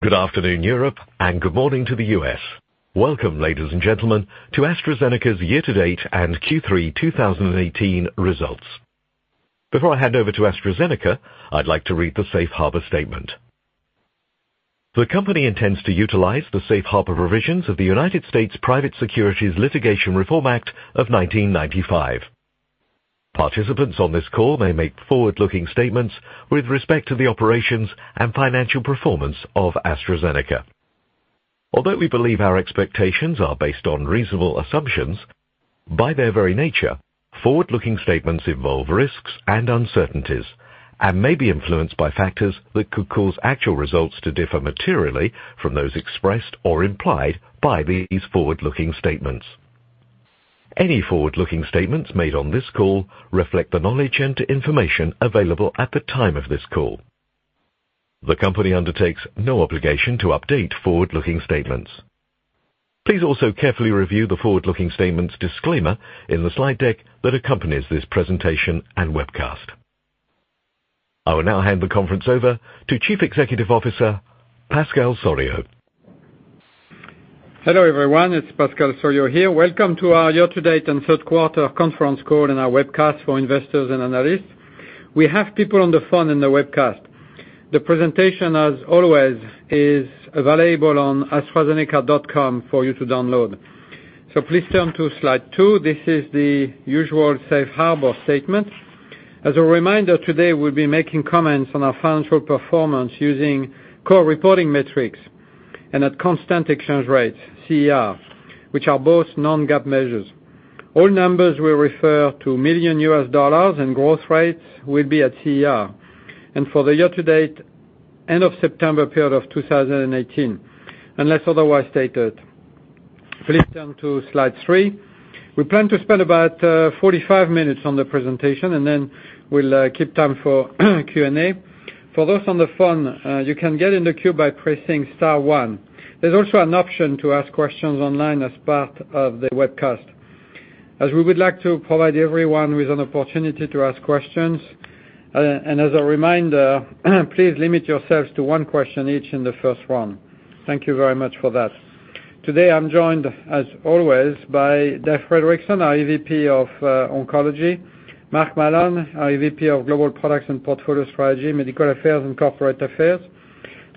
Good afternoon, Europe, and good morning to the U.S. Welcome, ladies and gentlemen, to AstraZeneca's year-to-date and Q3 2018 results. Before I hand over to AstraZeneca, I'd like to read the Safe Harbor statement. The company intends to utilize the Safe Harbor provisions of the United States Private Securities Litigation Reform Act of 1995. Participants on this call may make forward-looking statements with respect to the operations and financial performance of AstraZeneca. Although we believe our expectations are based on reasonable assumptions, by their very nature, forward-looking statements involve risks and uncertainties and may be influenced by factors that could cause actual results to differ materially from those expressed or implied by these forward-looking statements. Any forward-looking statements made on this call reflect the knowledge and information available at the time of this call. The company undertakes no obligation to update forward-looking statements. Please also carefully review the forward-looking statements disclaimer in the slide deck that accompanies this presentation and webcast. I will now hand the conference over to Chief Executive Officer, Pascal Soriot. Hello, everyone. It's Pascal Soriot here. Welcome to our year-to-date and third quarter conference call and our webcast for investors and analysts. We have people on the phone in the webcast. The presentation, as always, is available on astrazeneca.com for you to download. Please turn to Slide two. This is the usual safe harbor statement. As a reminder, today we'll be making comments on our financial performance using core reporting metrics and at constant exchange rates, CER, which are both non-GAAP measures. All numbers will refer to million U.S. dollars, and growth rates will be at CER and for the year-to-date end of September period of 2018, unless otherwise stated. Please turn to Slide three. We plan to spend about 45 minutes on the presentation, and then we'll keep time for Q&A. For those on the phone, you can get in the queue by pressing star one. There's also an option to ask questions online as part of the webcast. As we would like to provide everyone with an opportunity to ask questions, and as a reminder, please limit yourselves to one question each in the first round. Thank you very much for that. Today, I'm joined, as always, by Dave Fredrickson, our EVP of Oncology, Mark Mallon, our EVP of Global Products and Portfolio Strategy, Medical Affairs, and Corporate Affairs,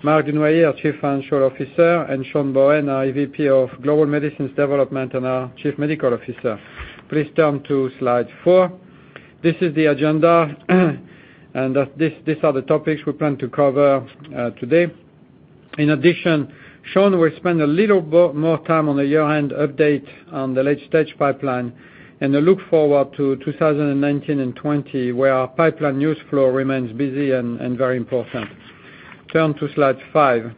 Marc Dunoyer, our Chief Financial Officer, and Sean Bohen, our EVP of Global Medicines Development and our Chief Medical Officer. Please turn to Slide four. This is the agenda, these are the topics we plan to cover today. In addition, Sean will spend a little more time on the year-end update on the late-stage pipeline and a look forward to 2019 and 2020, where our pipeline news flow remains busy and very important. Turn to Slide five.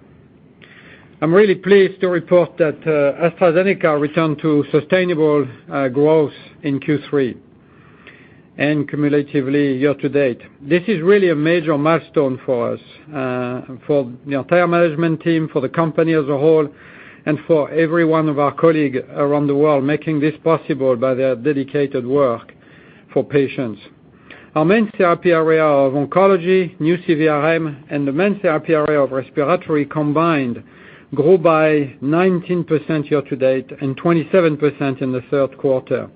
I'm really pleased to report that AstraZeneca returned to sustainable growth in Q3 and cumulatively year-to-date. This is really a major milestone for us, for the entire management team, for the company as a whole, and for every one of our colleagues around the world, making this possible by their dedicated work for patients. Our main therapy area of oncology, new CVRM, and the main therapy area of respiratory combined grew by 19% year-to-date and 27% in the third quarter.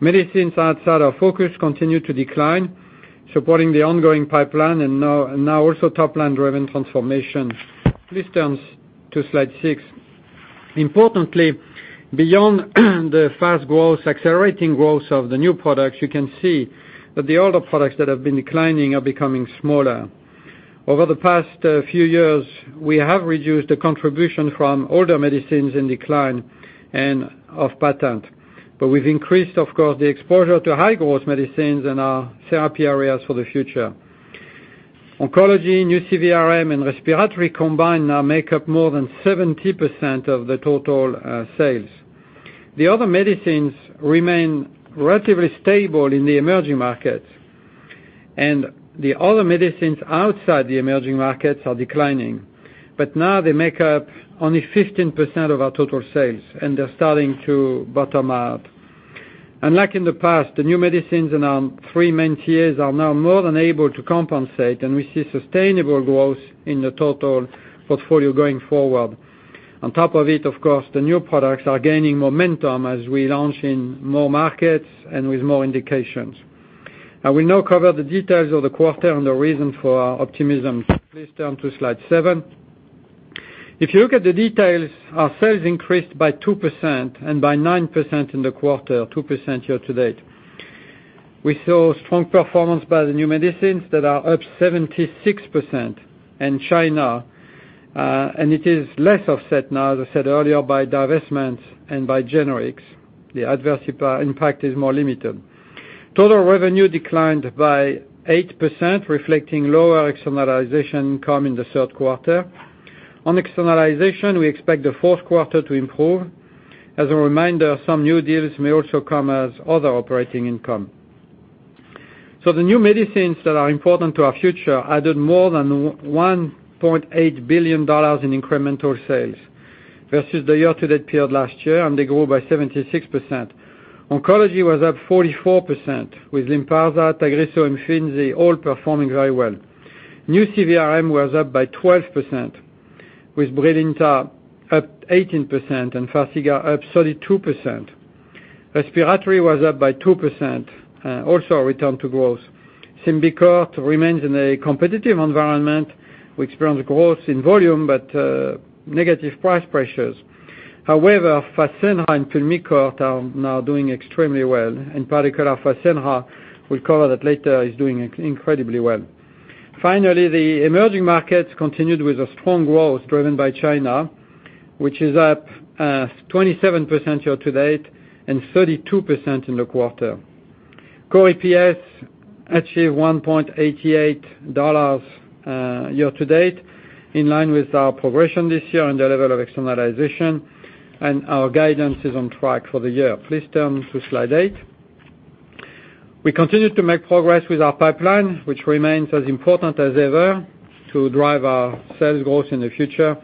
Medicines outside our focus continued to decline, supporting the ongoing pipeline and now also top-line driven transformation. Please turn to Slide six. Importantly, beyond the fast growth, accelerating growth of the new products, you can see that the older products that have been declining are becoming smaller. Over the past few years, we have reduced the contribution from older medicines in decline and off patent. We've increased, of course, the exposure to high-growth medicines in our therapy areas for the future. Oncology, new CVRM, and respiratory combined now make up more than 70% of the total sales. The other medicines remain relatively stable in the emerging markets. The other medicines outside the emerging markets are declining. Now they make up only 15% of our total sales, and they're starting to bottom out. Unlike in the past, the new medicines in our three main TAs are now more than able to compensate, and we see sustainable growth in the total portfolio going forward. On top of it, of course, the new products are gaining momentum as we launch in more markets and with more indications. I will now cover the details of the quarter and the reason for our optimism. Please turn to Slide seven. If you look at the details, our sales increased by 2% and by 9% in the quarter, 2% year-to-date. We saw strong performance by the new medicines that are up 76% in China, and it is less offset now, as I said earlier, by divestments and by generics. The adverse impact is more limited. Total revenue declined by 8%, reflecting lower externalization income in the third quarter. On externalization, we expect the fourth quarter to improve. As a reminder, some new deals may also come as other operating income. The new medicines that are important to our future added more than $1.8 billion in incremental sales versus the year-to-date period last year, and they grew by 76%. Oncology was up 44% with LYNPARZA, TAGRISSO, and IMFINZI all performing very well. New CVRM was up by 12%, with Brilinta up 18% and Farxiga up 32%. Respiratory was up by 2%, also a return to growth. Symbicort remains in a competitive environment, which brings growth in volume, but negative price pressures. However, Fasenra and Pulmicort are now doing extremely well. In particular, Fasenra, we'll cover that later, is doing incredibly well. Finally, the emerging markets continued with a strong growth driven by China, which is up 27% year-to-date and 32% in the quarter. Core EPS achieved $1.88 year-to-date, in line with our progression this year and the level of externalization, and our guidance is on track for the year. Please turn to Slide eight. We continue to make progress with our pipeline, which remains as important as ever to drive our sales growth in the future.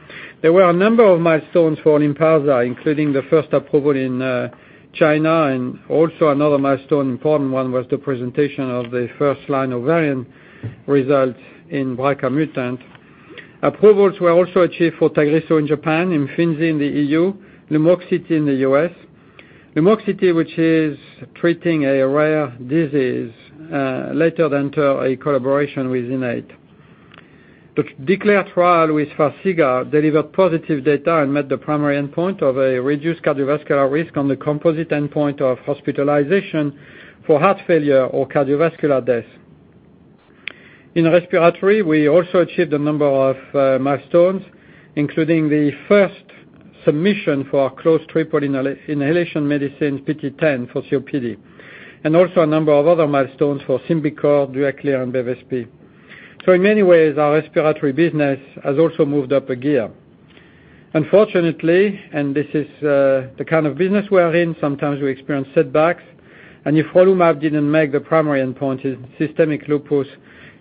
There were a number of milestones for LYNPARZA, including the first approval in China and also another milestone, important one, was the presentation of the first line ovarian result in BRCA-mutant. Approvals were also achieved for TAGRISSO in Japan, IMFINZI in the EU, LUMOXITI in the U.S. LUMOXITI, which is treating a rare disease, later entered a collaboration with Innate. The DECLARE trial with Farxiga delivered positive data and met the primary endpoint of a reduced cardiovascular risk on the composite endpoint of hospitalization for heart failure or cardiovascular death. In respiratory, we also achieved a number of milestones, including the first submission for our closed triple inhalation medicine, PT010, for COPD, and also a number of other milestones for Symbicort, Duaklir, and BEVESPI. In many ways, our respiratory business has also moved up a gear. Unfortunately, this is the kind of business we are in, sometimes we experience setbacks. anifrolumab didn't make the primary endpoint in systemic lupus.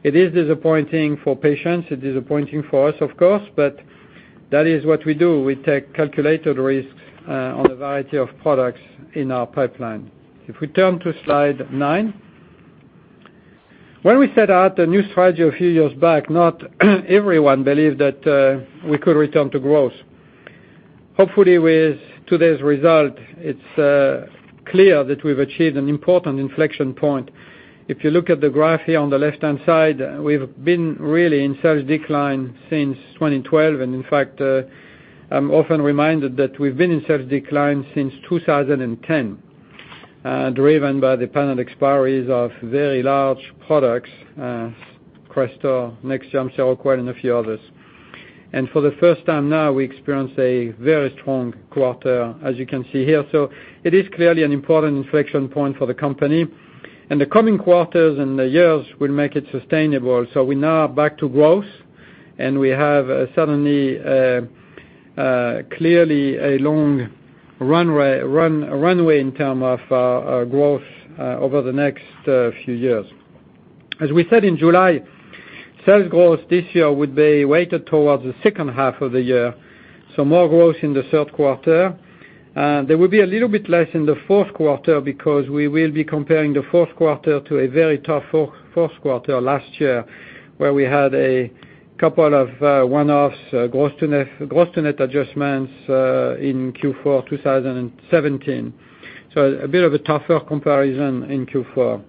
It is disappointing for patients, it's disappointing for us, of course, but that is what we do. We take calculated risks on a variety of products in our pipeline. If we turn to slide nine. When we set out the new strategy a few years back, not everyone believed that we could return to growth. Hopefully, with today's result, it's clear that we've achieved an important inflection point. If you look at the graph here on the left-hand side, we've been really in sales decline since 2012. In fact, I'm often reminded that we've been in sales decline since 2010, driven by the patent expiries of very large products, Crestor, Nexium, Seroquel, and a few others. For the first time now, we experience a very strong quarter, as you can see here. It is clearly an important inflection point for the company. The coming quarters and the years will make it sustainable. We now are back to growth, and we have suddenly, clearly a long runway in term of our growth over the next few years. As we said in July, sales growth this year would be weighted towards the second half of the year, so more growth in the third quarter. There will be a little bit less in the fourth quarter because we will be comparing the fourth quarter to a very tough fourth quarter last year, where we had a couple of one-offs, gross-to-net adjustments in Q4 2017. A bit of a tougher comparison in Q4.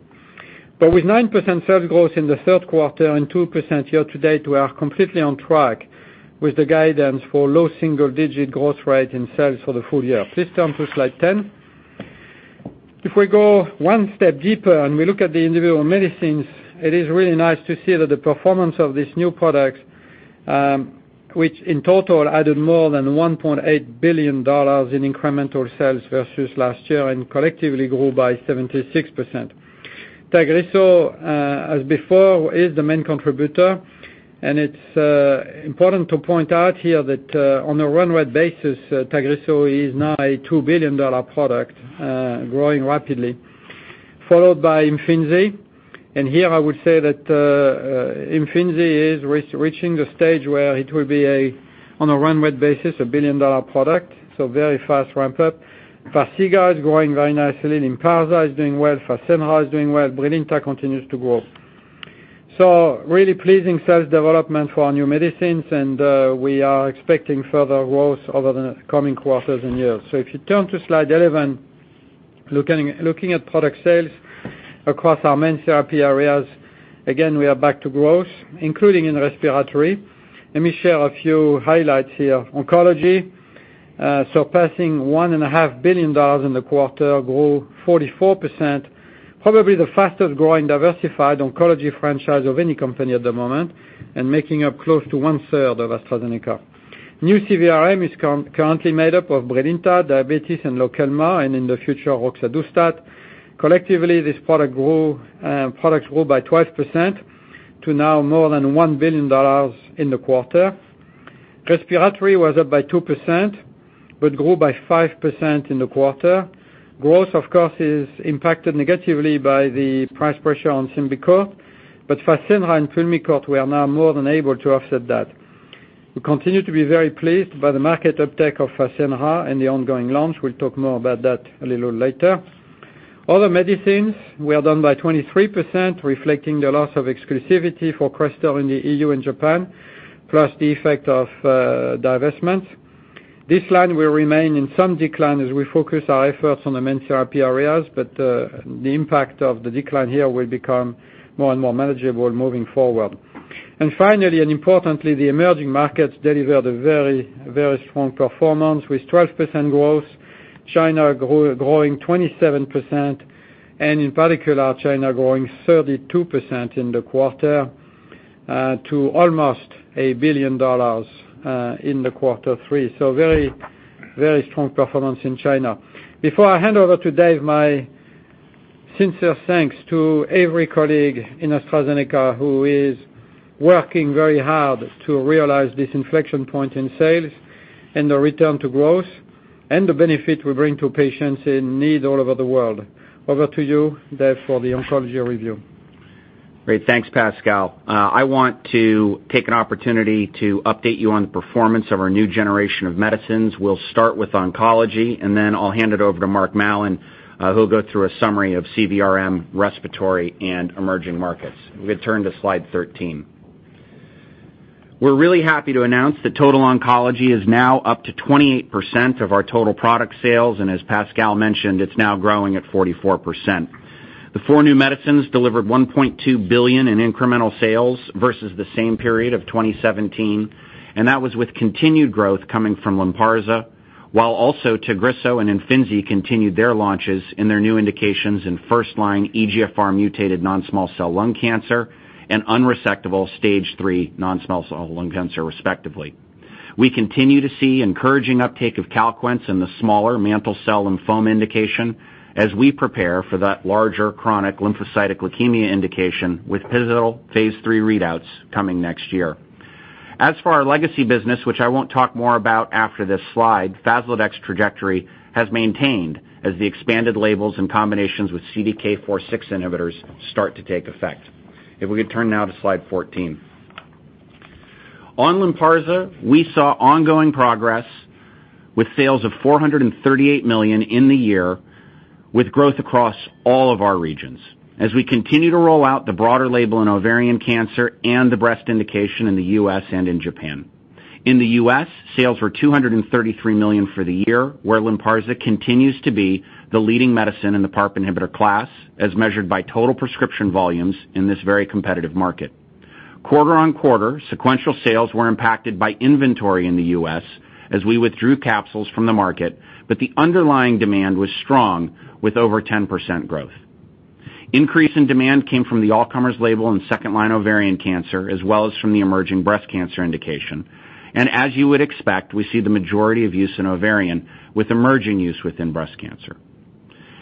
With 9% sales growth in the third quarter and 2% year-to-date, we are completely on track with the guidance for low single-digit growth rate in sales for the full-year. Please turn to slide 10. If we go one step deeper and we look at the individual medicines, it is really nice to see that the performance of these new products, which in total added more than $1.8 billion in incremental sales versus last year and collectively grew by 76%. TAGRISSO, as before, is the main contributor, and it's important to point out here that on a run-rate basis, TAGRISSO is now a $2 billion product, growing rapidly. Followed by IMFINZI, and here I would say that IMFINZI is reaching the stage where it will be, on a run-rate basis, a billion-dollar product, so very fast ramp-up. Farxiga is growing very nicely. LYNPARZA is doing well. Fasenra is doing well. Brilinta continues to grow. Really pleasing sales development for our new medicines, and we are expecting further growth over the coming quarters and years. If you turn to slide 11, looking at product sales across our main therapy areas, again, we are back to growth, including in respiratory. Let me share a few highlights here. Oncology, surpassing $1.5 billion in the quarter, grew 44%, probably the fastest-growing diversified oncology franchise of any company at the moment, and making up close to one-third of AstraZeneca. New CVRM is currently made up of Brilinta, diabetes, and LOKELMA, and in the future, roxadustat. Collectively, these products grew by 12% to now more than $1 billion in the quarter. Respiratory was up by 2% but grew by 5% in the quarter. Growth, of course, is impacted negatively by the price pressure on Symbicort, Fasenra and Pulmicort, we are now more than able to offset that. We continue to be very pleased by the market uptake of Fasenra and the ongoing launch. We'll talk more about that a little later. Other medicines, we are down by 23%, reflecting the loss of exclusivity for Crestor in the EU and Japan, plus the effect of divestment. This line will remain in some decline as we focus our efforts on the main therapy areas, the impact of the decline here will become more and more manageable moving forward. Finally, and importantly, the emerging markets delivered a very strong performance with 12% growth, China growing 27%, and in particular, China growing 32% in the quarter to almost $1 billion in the quarter three. Very strong performance in China. Before I hand over to Dave, my sincere thanks to every colleague in AstraZeneca who is working very hard to realize this inflection point in sales and the return to growth and the benefit we bring to patients in need all over the world. Over to you, Dave, for the oncology review. Great. Thanks, Pascal. I want to take an opportunity to update you on the performance of our new generation of medicines. We'll start with oncology, then I'll hand it over to Mark Mallon, who'll go through a summary of CVRM, respiratory, and emerging markets. We could turn to slide 13. We're really happy to announce that total oncology is now up to 28% of our total product sales, as Pascal mentioned, it's now growing at 44%. The four new medicines delivered $1.2 billion in incremental sales versus the same period of 2017, that was with continued growth coming from LYNPARZA, while also TAGRISSO and IMFINZI continued their launches in their new indications in first-line EGFR mutated non-small cell lung cancer and unresectable Stage III non-small cell lung cancer, respectively. We continue to see encouraging uptake of CALQUENCE in the smaller mantle cell lymphoma indication as we prepare for that larger Chronic Lymphocytic Leukemia indication with pivotal phase III readouts coming next year. As for our legacy business, which I won't talk more about after this slide, Faslodex trajectory has maintained as the expanded labels and combinations with CDK4/6 inhibitors start to take effect. If we could turn now to slide 14. On LYNPARZA, we saw ongoing progress with sales of $438 million in the year, with growth across all of our regions. As we continue to roll out the broader label in ovarian cancer and the breast indication in the U.S. and in Japan. In the U.S., sales were $233 million for the year, where LYNPARZA continues to be the leading medicine in the PARP inhibitor class, as measured by total prescription volumes in this very competitive market. Quarter-on-quarter, sequential sales were impacted by inventory in the U.S. as we withdrew capsules from the market, but the underlying demand was strong with over 10% growth. Increase in demand came from the all-comers label in second-line ovarian cancer, as well as from the emerging breast cancer indication. As you would expect, we see the majority of use in ovarian, with emerging use within breast cancer.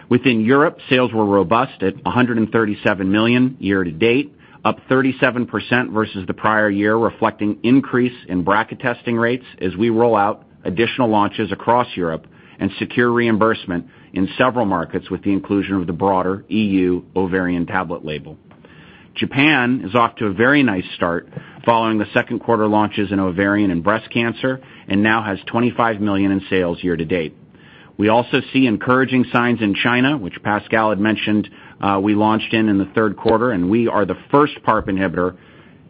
Within Europe, sales were robust at $137 million year-to-date, up 37% versus the prior year, reflecting increase in BRCA testing rates as we roll out additional launches across Europe and secure reimbursement in several markets with the inclusion of the broader EU ovarian tablet label. Japan is off to a very nice start following the second quarter launches in ovarian and breast cancer and now has $25 million in sales year-to-date. We also see encouraging signs in China, which Pascal had mentioned we launched in the third quarter, and we are the first PARP inhibitor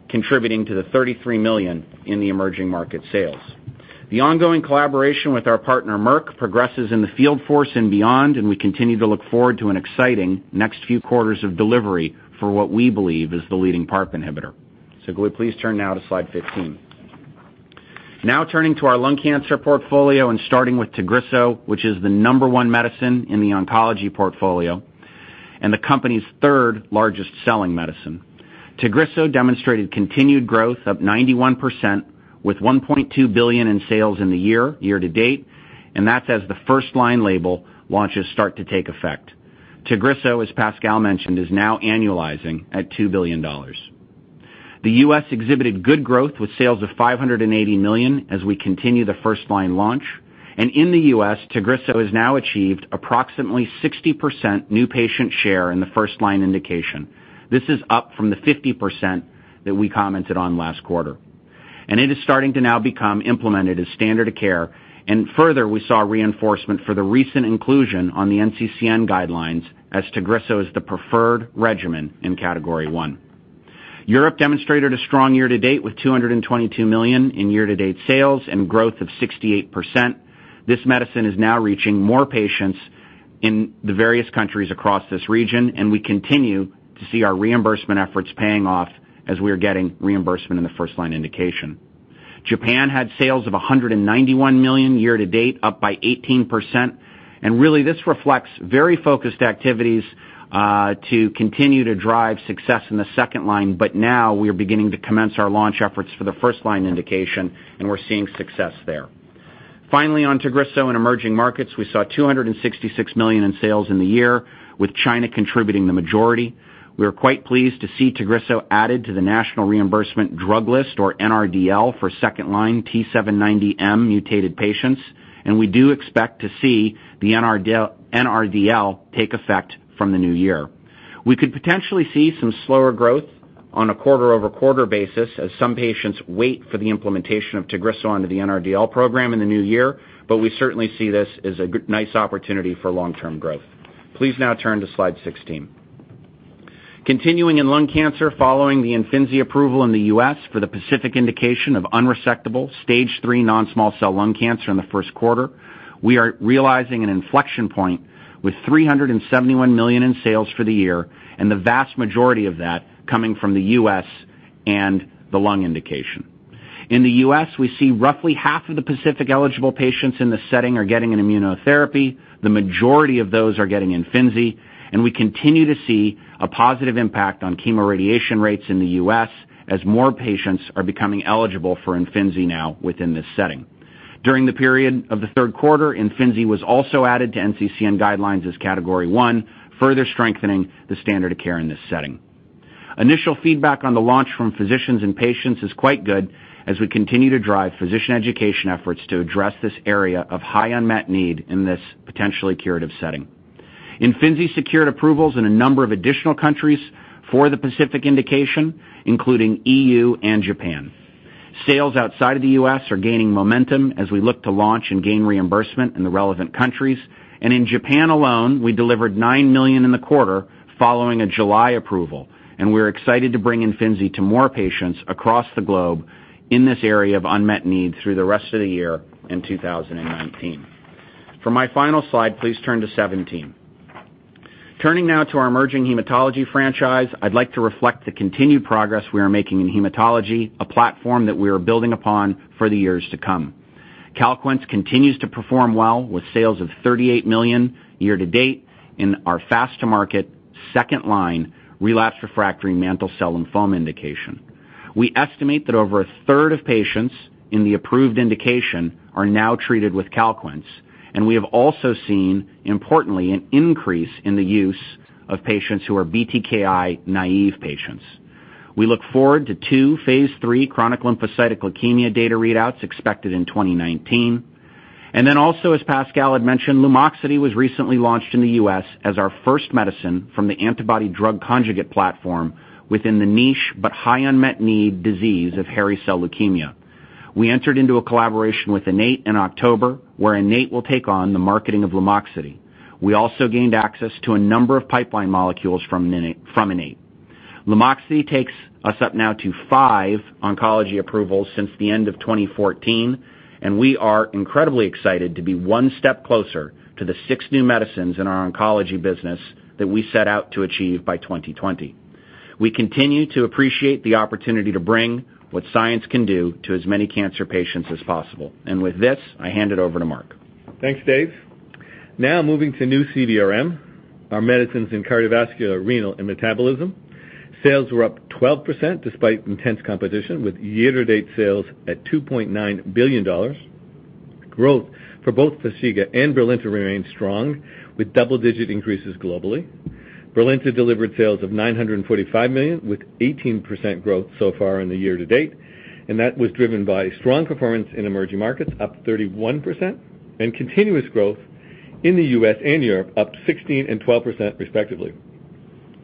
contributing to the $33 million in the emerging market sales. The ongoing collaboration with our partner, Merck, progresses in the field force and beyond. We continue to look forward to an exciting next few quarters of delivery for what we believe is the leading PARP inhibitor. Could we please turn now to slide 15? Now turning to our lung cancer portfolio and starting with TAGRISSO, which is the number one medicine in the oncology portfolio and the company's third largest selling medicine. TAGRISSO demonstrated continued growth up 91% with $1.2 billion in sales in the year-to-date, and that's as the first-line label launches start to take effect. TAGRISSO, as Pascal mentioned, is now annualizing at $2 billion. The U.S. exhibited good growth with sales of $580 million as we continue the first-line launch. In the U.S., TAGRISSO has now achieved approximately 60% new patient share in the first-line indication. This is up from the 50% that we commented on last quarter. It is starting to now become implemented as standard of care, and further, we saw reinforcement for the recent inclusion on the NCCN guidelines as TAGRISSO is the preferred regimen in Category 1. Europe demonstrated a strong year-to-date with $222 million in year-to-date sales and growth of 68%. This medicine is now reaching more patients in the various countries across this region. We continue to see our reimbursement efforts paying off as we are getting reimbursement in the first-line indication. Japan had sales of $191 million year-to-date, up by 18%. Really, this reflects very focused activities to continue to drive success in the second line, but now we are beginning to commence our launch efforts for the first-line indication, and we're seeing success there. Finally, on TAGRISSO in emerging markets, we saw $266 million in sales in the year, with China contributing the majority. We are quite pleased to see TAGRISSO added to the National Reimbursement Drug List, or NRDL, for second-line T790M mutated patients, and we do expect to see the NRDL take effect from the new year. We could potentially see some slower growth on a quarter-over-quarter basis, as some patients wait for the implementation of TAGRISSO onto the NRDL program in the new year, but we certainly see this as a nice opportunity for long-term growth. Please now turn to slide 16. Continuing in lung cancer, following the IMFINZI approval in the U.S. for the PACIFIC indication of unresectable stage 3 non-small cell lung cancer in the first quarter, we are realizing an inflection point with $371 million in sales for the year. The vast majority of that coming from the U.S. and the lung indication. In the U.S., we see roughly half of the PACIFIC eligible patients in this setting are getting an immunotherapy. The majority of those are getting IMFINZI, and we continue to see a positive impact on chemoradiation rates in the U.S. as more patients are becoming eligible for IMFINZI now within this setting. During the period of the third quarter, IMFINZI was also added to NCCN guidelines as category 1, further strengthening the standard of care in this setting. Initial feedback on the launch from physicians and patients is quite good as we continue to drive physician education efforts to address this area of high unmet need in this potentially curative setting. IMFINZI secured approvals in a number of additional countries for the PACIFIC indication, including EU and Japan. Sales outside of the U.S. are gaining momentum as we look to launch and gain reimbursement in the relevant countries. In Japan alone, we delivered $9 million in the quarter following a July approval, and we're excited to bring IMFINZI to more patients across the globe in this area of unmet need through the rest of the year in 2019. For my final slide, please turn to 17. Turning now to our emerging hematology franchise, I'd like to reflect the continued progress we are making in hematology, a platform that we are building upon for the years to come. CALQUENCE continues to perform well, with sales of $38 million year-to-date in our fast-to-market, second-line relapsed/refractory mantle cell lymphoma indication. We estimate that over a third of patients in the approved indication are now treated with CALQUENCE, and we have also seen, importantly, an increase in the use of patients who are BTKi-naive patients. We look forward to two phase III chronic lymphocytic leukemia data readouts expected in 2019. Then also, as Pascal had mentioned, LUMOXITI was recently launched in the U.S. as our first medicine from the antibody drug conjugate platform within the niche but high unmet need disease of hairy cell leukemia. We entered into a collaboration with Innate in October, where Innate will take on the marketing of LUMOXITI. We also gained access to a number of pipeline molecules from Innate. LUMOXITI takes us up now to five oncology approvals since the end of 2014. We are incredibly excited to be one step closer to the six new medicines in our oncology business that we set out to achieve by 2020. We continue to appreciate the opportunity to bring what science can do to as many cancer patients as possible. With this, I hand it over to Mark. Thanks, Dave. Now moving to new CVRM, our medicines in cardiovascular, renal, and metabolism. Sales were up 12% despite intense competition with year-to-date sales at $2.9 billion. Growth for bothFarxiga and Brilinta remains strong with double-digit increases globally. Brilinta delivered sales of $945 million with 18% growth so far in the year-to-date. That was driven by strong performance in emerging markets up 31%, and continuous growth in the U.S. and Europe up 16% and 12% respectively.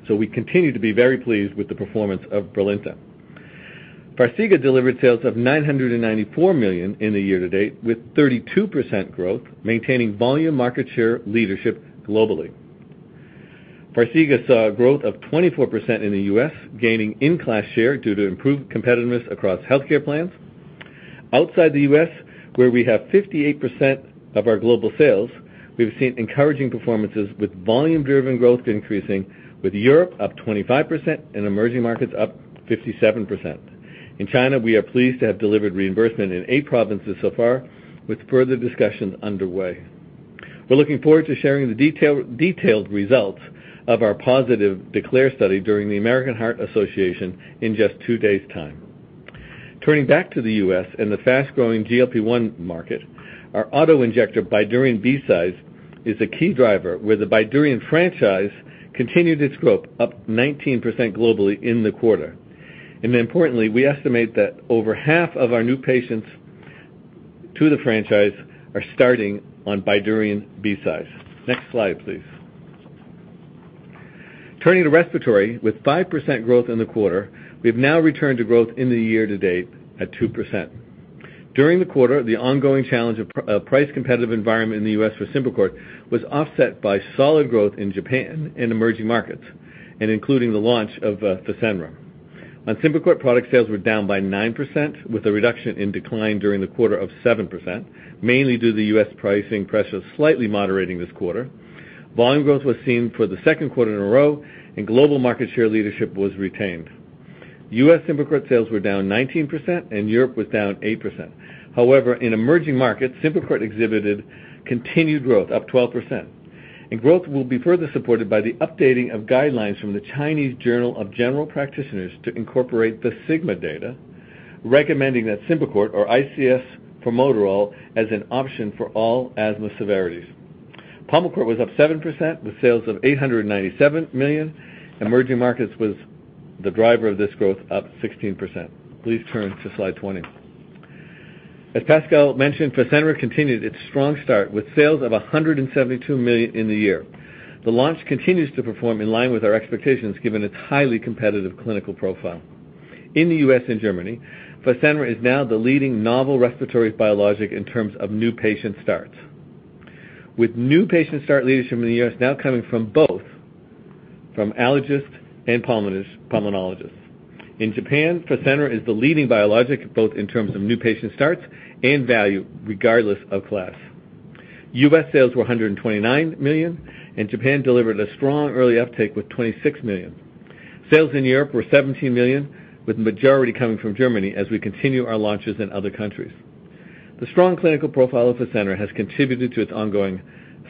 We continue to be very pleased with the performance of Brilinta.Farxiga delivered sales of $994 million in the year-to-date with 32% growth, maintaining volume market share leadership globally. Farxiga saw a growth of 24% in the U.S., gaining in-class share due to improved competitiveness across healthcare plans. Outside the U.S., where we have 58% of our global sales, we've seen encouraging performances with volume-driven growth increasing with Europe up 25% and emerging markets up 57%. In China, we are pleased to have delivered reimbursement in eight provinces so far, with further discussions underway. We're looking forward to sharing the detailed results of our positive DECLARE study during the American Heart Association in just two days' time. Turning back to the U.S. and the fast-growing GLP-1 market, our auto-injector BYDUREON BCise is a key driver where the BYDUREON franchise continued its growth up 19% globally in the quarter. Importantly, we estimate that over half of our new patients to the franchise are starting on BYDUREON BCise. Next slide, please. Turning to respiratory, with 5% growth in the quarter, we've now returned to growth in the year-to-date at 2%. During the quarter, the ongoing challenge of price competitive environment in the U.S. for Symbicort was offset by solid growth in Japan and emerging markets and including the launch of Fasenra. Symbicort product sales were down by 9% with a reduction in decline during the quarter of 7%, mainly due to the U.S. pricing pressure slightly moderating this quarter. Volume growth was seen for the second quarter in a row and global market share leadership was retained. U.S. Symbicort sales were down 19% and Europe was down 8%. However, in emerging markets, Symbicort exhibited continued growth up 12%. Growth will be further supported by the updating of guidelines from the Chinese Journal of General Practitioners to incorporate the SIGMA data, recommending that Symbicort or ICS formoterol as an option for all asthma severities. Pulmicort was up 7% with sales of $897 million. Emerging markets was the driver of this growth, up 16%. Please turn to slide 20. As Pascal mentioned, Fasenra continued its strong start with sales of $172 million in the year. The launch continues to perform in line with our expectations, given its highly competitive clinical profile. In the U.S. and Germany, Fasenra is now the leading novel respiratory biologic in terms of new patient starts. With new patient start leadership in the U.S. now coming from both from allergists and pulmonologists. In Japan, Fasenra is the leading biologic both in terms of new patient starts and value, regardless of class. U.S. sales were $129 million, and Japan delivered a strong early uptake with $26 million. Sales in Europe were $17 million, with the majority coming from Germany as we continue our launches in other countries. The strong clinical profile of Fasenra has contributed to its ongoing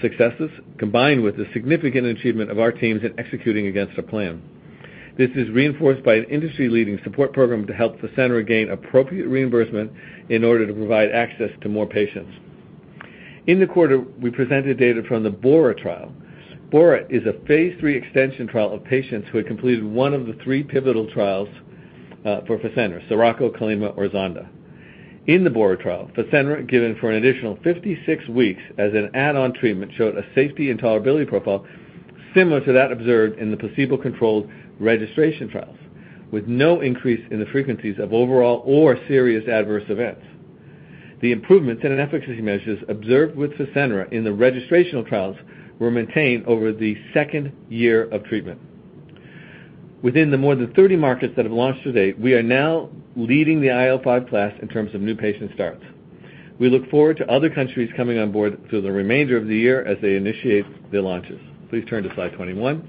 successes, combined with the significant achievement of our teams in executing against our plan. This is reinforced by an industry-leading support program to help Fasenra gain appropriate reimbursement in order to provide access to more patients. In the quarter, we presented data from the BORA trial. BORA is a phase III extension trial of patients who had completed one of the three pivotal trials for Fasenra, SIROCCO, CALIMA, or ZONDA. In the BORA trial, Fasenra, given for an additional 56 weeks as an add-on treatment, showed a safety and tolerability profile similar to that observed in the placebo-controlled registration trials, with no increase in the frequencies of overall or serious adverse events. The improvements in efficacy measures observed with Fasenra in the registrational trials were maintained over the second year of treatment. Within the more than 30 markets that have launched to date, we are now leading the IL-5 class in terms of new patient starts. We look forward to other countries coming on board through the remainder of the year as they initiate their launches. Please turn to slide 21.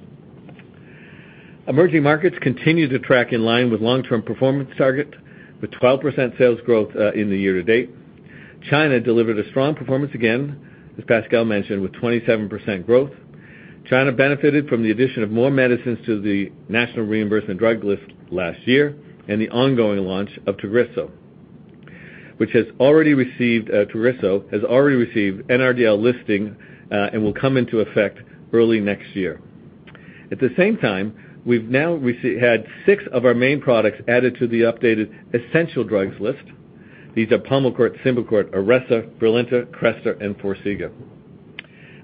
Emerging markets continue to track in line with long-term performance target, with 12% sales growth in the year-to-date. China delivered a strong performance again, as Pascal mentioned, with 27% growth. China benefited from the addition of more medicines to the national reimbursement drug list last year and the ongoing launch of TAGRISSO. TAGRISSO has already received NRDL listing and will come into effect early next year. At the same time, we've now had six of our main products added to the updated essential drugs list. These are Pulmicort, Symbicort, Iressa, Brilinta, Crestor, and Farxiga.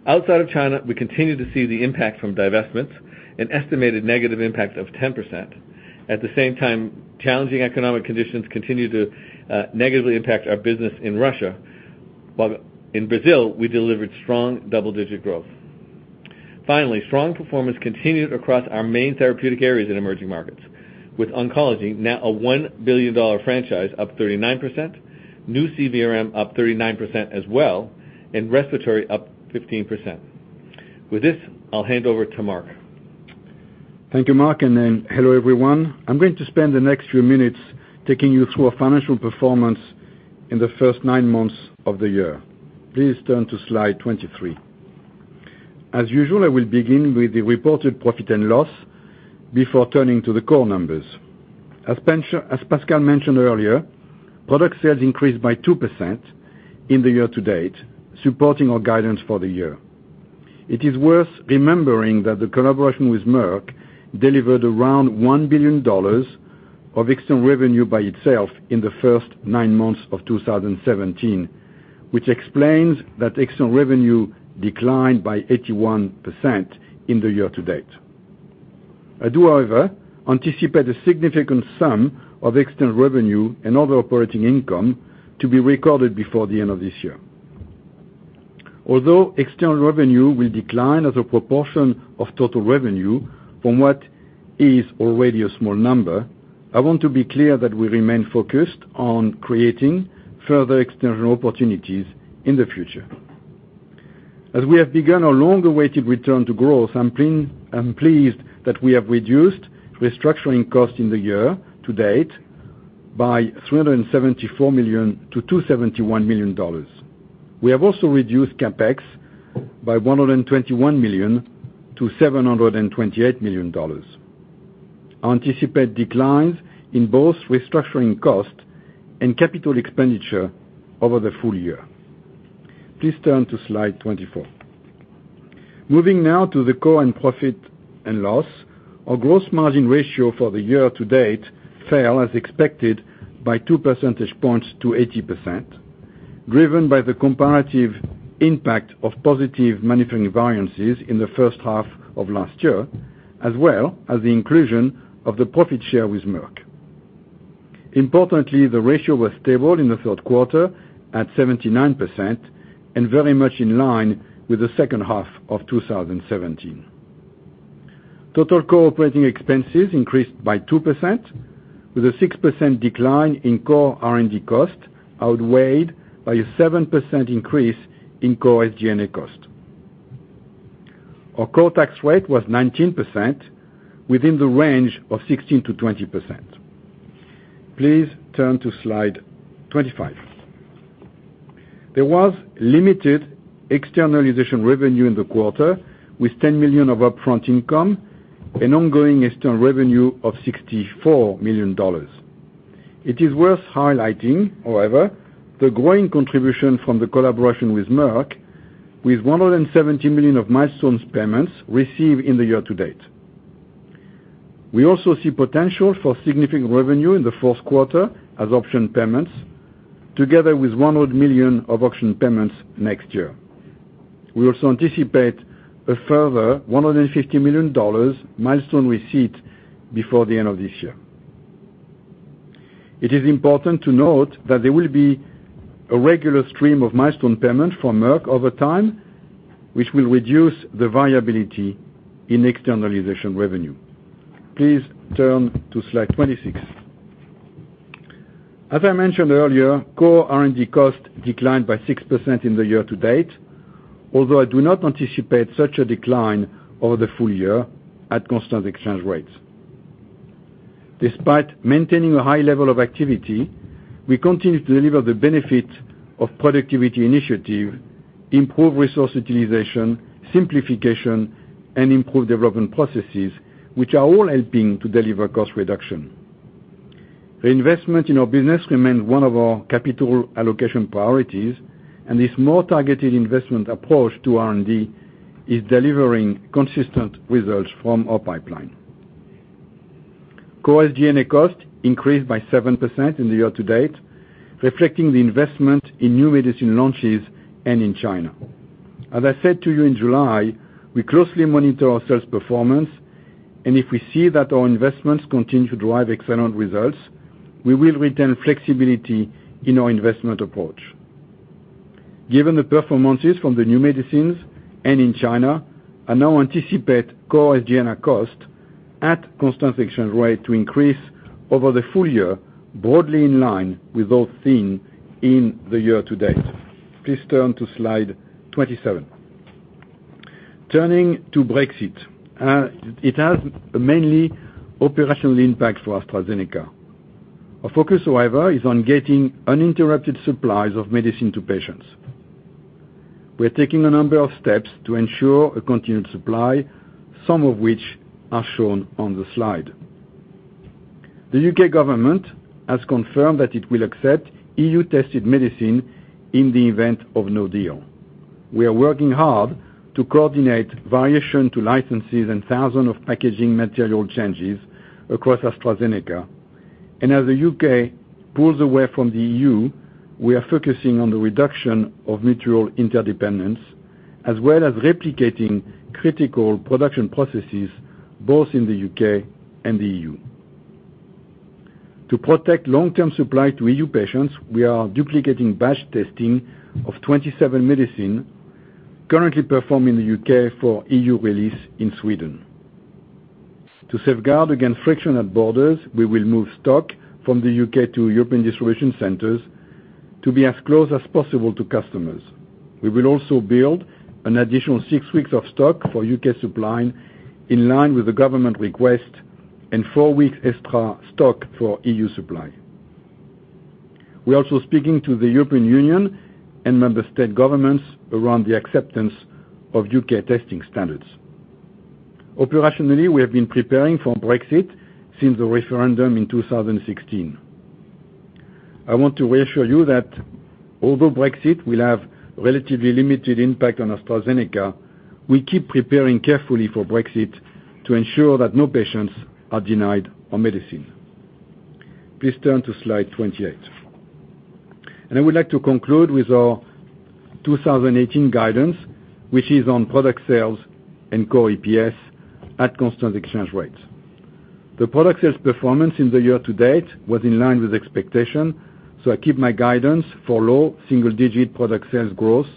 Outside of China, we continue to see the impact from divestments, an estimated negative impact of 10%. At the same time, challenging economic conditions continue to negatively impact our business in Russia, while in Brazil, we delivered strong double-digit growth. Finally, strong performance continued across our main therapeutic areas in emerging markets, with oncology now a $1 billion franchise up 39%, new CVRM up 39% as well, and respiratory up 15%. With this, I'll hand over to Marc. Thank you, Marc, hello everyone. I'm going to spend the next few minutes taking you through our financial performance in the first nine months of the year. Please turn to slide 23. As usual, I will begin with the reported profit and loss before turning to the core numbers. As Pascal mentioned earlier, product sales increased by 2% in the year-to-date, supporting our guidance for the year. It is worth remembering that the collaboration with Merck delivered around $1 billion of external revenue by itself in the first nine months of 2017, which explains that external revenue declined by 81% in the year-to-date. I do, however, anticipate a significant sum of external revenue and other operating income to be recorded before the end of this year. Although external revenue will decline as a proportion of total revenue from what is already a small number, I want to be clear that we remain focused on creating further external opportunities in the future. As we have begun our long-awaited return to growth, I'm pleased that we have reduced restructuring costs in the year-to-date by $374 millio -$271 million. We have also reduced CapEx by $121 million to $728 million. I anticipate declines in both restructuring costs and capital expenditure over the full-year. Please turn to slide 24. Moving now to the core and profit and loss. Our gross margin ratio for the year-to-date fell as expected by two percentage points to 80%, driven by the comparative impact of positive manufacturing variances in the first half of last year, as well as the inclusion of the profit share with Merck. Importantly, the ratio was stable in the third quarter at 79% and very much in line with the second half of 2017. Total core operating expenses increased by 2%, with a 6% decline in core R&D costs outweighed by a 7% increase in core SG&A cost. Our core tax rate was 19%, within the range of 16%-20%. Please turn to slide 25. There was limited externalization revenue in the quarter with $10 million of upfront income and ongoing external revenue of $64 million. It is worth highlighting, however, the growing contribution from the collaboration with Merck, with $170 million of milestones payments received in the year-to-date. We also see potential for significant revenue in the fourth quarter as option payments, together with $100 million of option payments next year. We also anticipate a further $150 million milestone receipt before the end of this year. It is important to note that there will be a regular stream of milestone payments from Merck over time, which will reduce the volatility in externalization revenue. Please turn to slide 26. As I mentioned earlier, core R&D costs declined by 6% in the year-to-date, although I do not anticipate such a decline over the full-year at constant exchange rates. Despite maintaining a high level of activity, we continue to deliver the benefit of productivity initiative, improve resource utilization, simplification, and improve development processes, which are all helping to deliver cost reduction. Reinvestment in our business remains one of our capital allocation priorities, and this more targeted investment approach to R&D is delivering consistent results from our pipeline. Core SG&A costs increased by 7% in the year-to-date, reflecting the investment in new medicine launches and in China. As I said to you in July, we closely monitor our sales performance. If we see that our investments continue to drive excellent results, we will retain flexibility in our investment approach. Given the performances from the new medicines and in China, I now anticipate core SG&A costs at constant exchange rate to increase over the full-year, broadly in line with those seen in the year-to-date. Please turn to slide 27. Turning to Brexit, it has mainly operational impact for AstraZeneca. Our focus, however, is on getting uninterrupted supplies of medicine to patients. We are taking a number of steps to ensure a continued supply, some of which are shown on the slide. The U.K. government has confirmed that it will accept EU-tested medicine in the event of no deal. We are working hard to coordinate variation to licenses and thousands of packaging material changes across AstraZeneca. As the U.K. pulls away from the EU, we are focusing on the reduction of mutual interdependence, as well as replicating critical production processes both in the U.K. and the EU. To protect long-term supply to EU patients, we are duplicating batch testing of 27 medicine currently performed in the U.K. for EU release in Sweden. To safeguard against friction at borders, we will move stock from the U.K. to European distribution centers to be as close as possible to customers. We will also build an additional six weeks of stock for U.K. supply in line with the government request, and four weeks extra stock for EU supply. We're also speaking to the European Union and member state governments around the acceptance of U.K. testing standards. Operationally, we have been preparing for Brexit since the referendum in 2016. I want to reassure you that although Brexit will have relatively limited impact on AstraZeneca, we keep preparing carefully for Brexit to ensure that no patients are denied our medicine. Please turn to slide 28. I would like to conclude with our 2018 guidance, which is on product sales and core EPS at constant exchange rates. The product sales performance in the year-to-date was in line with expectations, so I keep my guidance for low single-digit product sales growth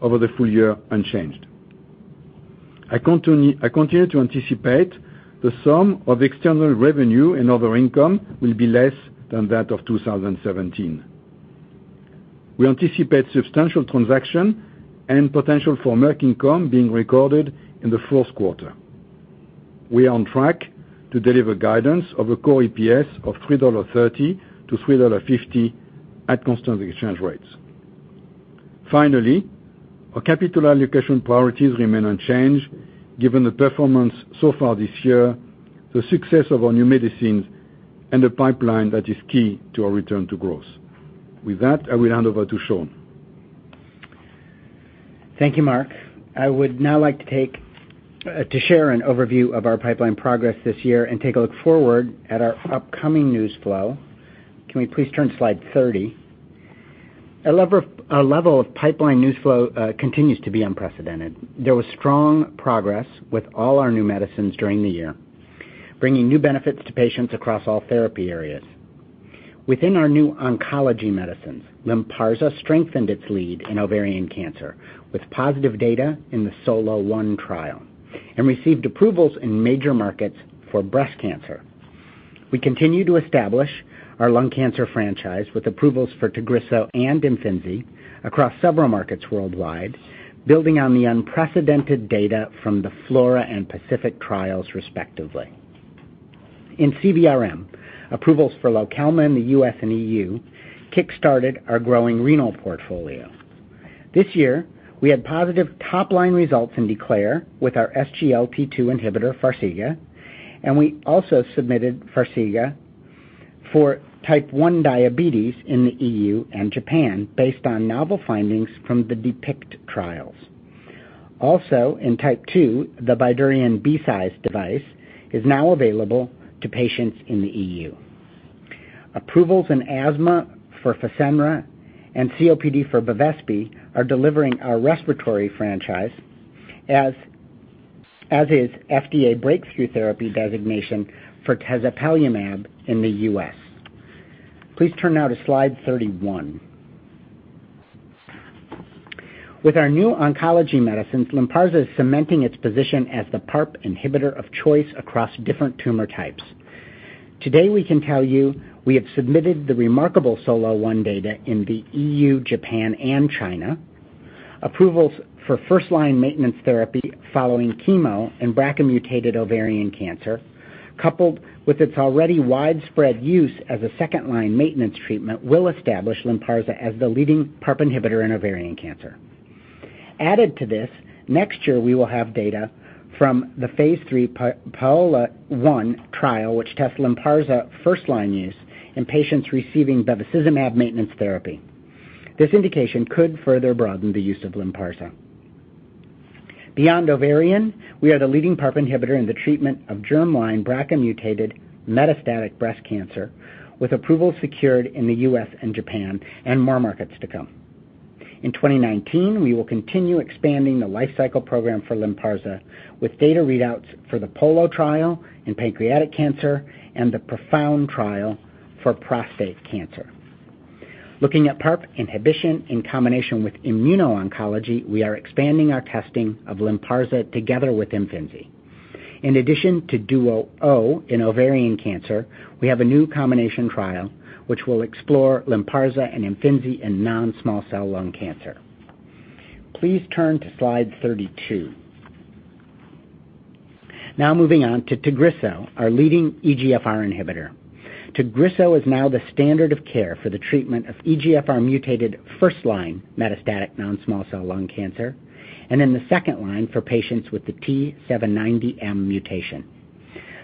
over the full-year unchanged. I continue to anticipate the sum of external revenue and other income will be less than that of 2017. We anticipate substantial transaction and potential for Merck income being recorded in the fourth quarter. We are on track to deliver guidance of a core EPS of $3.30-$3.50 at constant exchange rates. Finally, our capital allocation priorities remain unchanged, given the performance so far this year, the success of our new medicines, and the pipeline that is key to our return to growth. With that, I will hand over to Sean. Thank you, Marc. I would now like to share an overview of our pipeline progress this year and take a look forward at our upcoming news flow. Can we please turn to slide 30? Our level of pipeline news flow continues to be unprecedented. There was strong progress with all our new medicines during the year, bringing new benefits to patients across all therapy areas. Within our new oncology medicines, LYNPARZA strengthened its lead in ovarian cancer with positive data in the SOLO-1 trial and received approvals in major markets for breast cancer. We continue to establish our lung cancer franchise with approvals for TAGRISSO and IMFINZI across several markets worldwide, building on the unprecedented data from the FLAURA and PACIFIC trials, respectively. In CVRM, approvals for LOKELMA in the U.S. and E.U. kickstarted our growing renal portfolio. This year, we had positive top-line results in DECLARE with our SGLT2 inhibitor, Farxiga, and we also submittedFarxiga for type 1 diabetes in the E.U. and Japan, based on novel findings from the DEPICT trials. Also, in type 2, the BYDUREON BCise device is now available to patients in the E.U. Approvals in asthma for Fasenra and COPD for BEVESPI are delivering our respiratory franchise, as is FDA breakthrough therapy designation for tezepelumab in the U.S. Please turn now to slide 31. With our new oncology medicines, LYNPARZA is cementing its position as the PARP inhibitor of choice across different tumor types. Today, we can tell you we have submitted the remarkable SOLO-1 data in the E.U., Japan, and China. Approvals for first-line maintenance therapy following chemo in BRCA-mutated ovarian cancer, coupled with its already widespread use as a second-line maintenance treatment, will establish LYNPARZA as the leading PARP inhibitor in ovarian cancer. Added to this, next year, we will have data from the phase III PAOLA-1 trial, which tests LYNPARZA first-line use in patients receiving bevacizumab maintenance therapy. This indication could further broaden the use of LYNPARZA. Beyond ovarian, we are the leading PARP inhibitor in the treatment of germline BRCA-mutated metastatic breast cancer, with approval secured in the U.S. and Japan, and more markets to come. In 2019, we will continue expanding the life cycle program for LYNPARZA, with data readouts for the POLO trial in pancreatic cancer and the PROfound trial for prostate cancer. Looking at PARP inhibition in combination with immuno-oncology, we are expanding our testing of LYNPARZA together with IMFINZI. In addition to DUO-O in ovarian cancer, we have a new combination trial which will explore LYNPARZA and IMFINZI in non-small cell lung cancer. Please turn to slide 32. Now moving on to TAGRISSO, our leading EGFR inhibitor. TAGRISSO is now the standard of care for the treatment of EGFR mutated first-line metastatic non-small cell lung cancer, and in the second line for patients with the T790M mutation.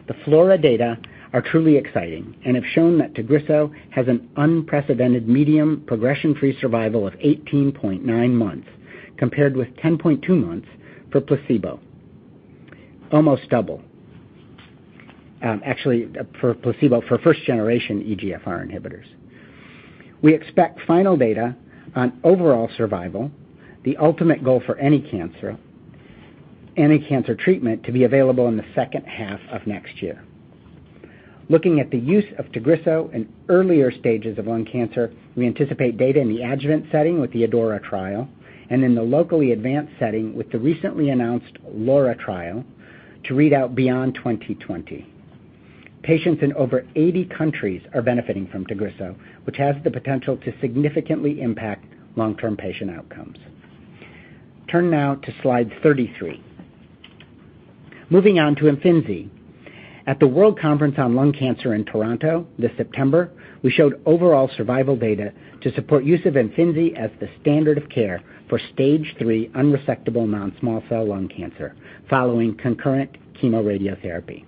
The FLAURA data are truly exciting and have shown that TAGRISSO has an unprecedented medium progression-free survival of 18.9 months, compared with 10.2 months for placebo. Almost double. Actually, for placebo for first generation EGFR inhibitors. We expect final data on overall survival, the ultimate goal for any cancer treatment to be available in the second half of next year. Looking at the use of TAGRISSO in earlier stages of lung cancer, we anticipate data in the adjuvant setting with the ADAURA trial and in the locally advanced setting with the recently announced LAURA trial to read out beyond 2020. Patients in over 80 countries are benefiting from TAGRISSO, which has the potential to significantly impact long-term patient outcomes. Turn now to slide 33. Moving on to IMFINZI. At the World Conference on Lung Cancer in Toronto this September, we showed overall survival data to support use of IMFINZI as the standard of care for stage 3 unresectable non-small cell lung cancer following concurrent chemoradiotherapy.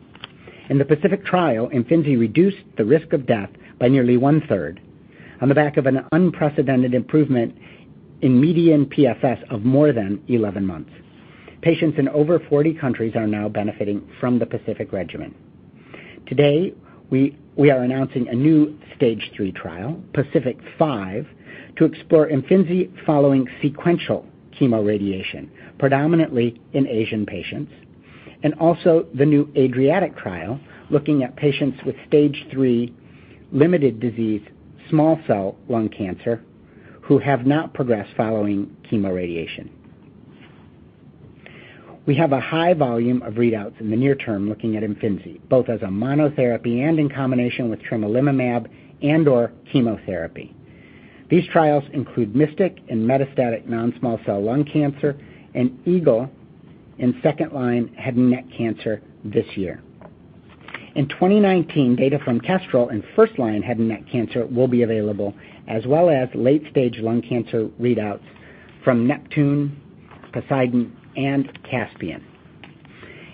In the PACIFIC trial, IMFINZI reduced the risk of death by nearly one-third on the back of an unprecedented improvement in median PFS of more than 11 months. Patients in over 40 countries are now benefiting from the PACIFIC regimen. Today, we are announcing a new stage 3 trial, PACIFIC-5, to explore IMFINZI following sequential chemoradiation, predominantly in Asian patients, and also the new ADRIATIC trial, looking at patients with stage 3 limited disease small cell lung cancer who have not progressed following chemoradiation. We have a high volume of readouts in the near term looking at IMFINZI, both as a monotherapy and in combination with tremelimumab and/or chemotherapy. These trials include MYSTIC in metastatic non-small cell lung cancer and EAGLE in second-line head and neck cancer this year. In 2019, data from KESTREL in first-line head and neck cancer will be available, as well as late-stage lung cancer readouts from NEPTUNE, POSEIDON, and CASPIAN.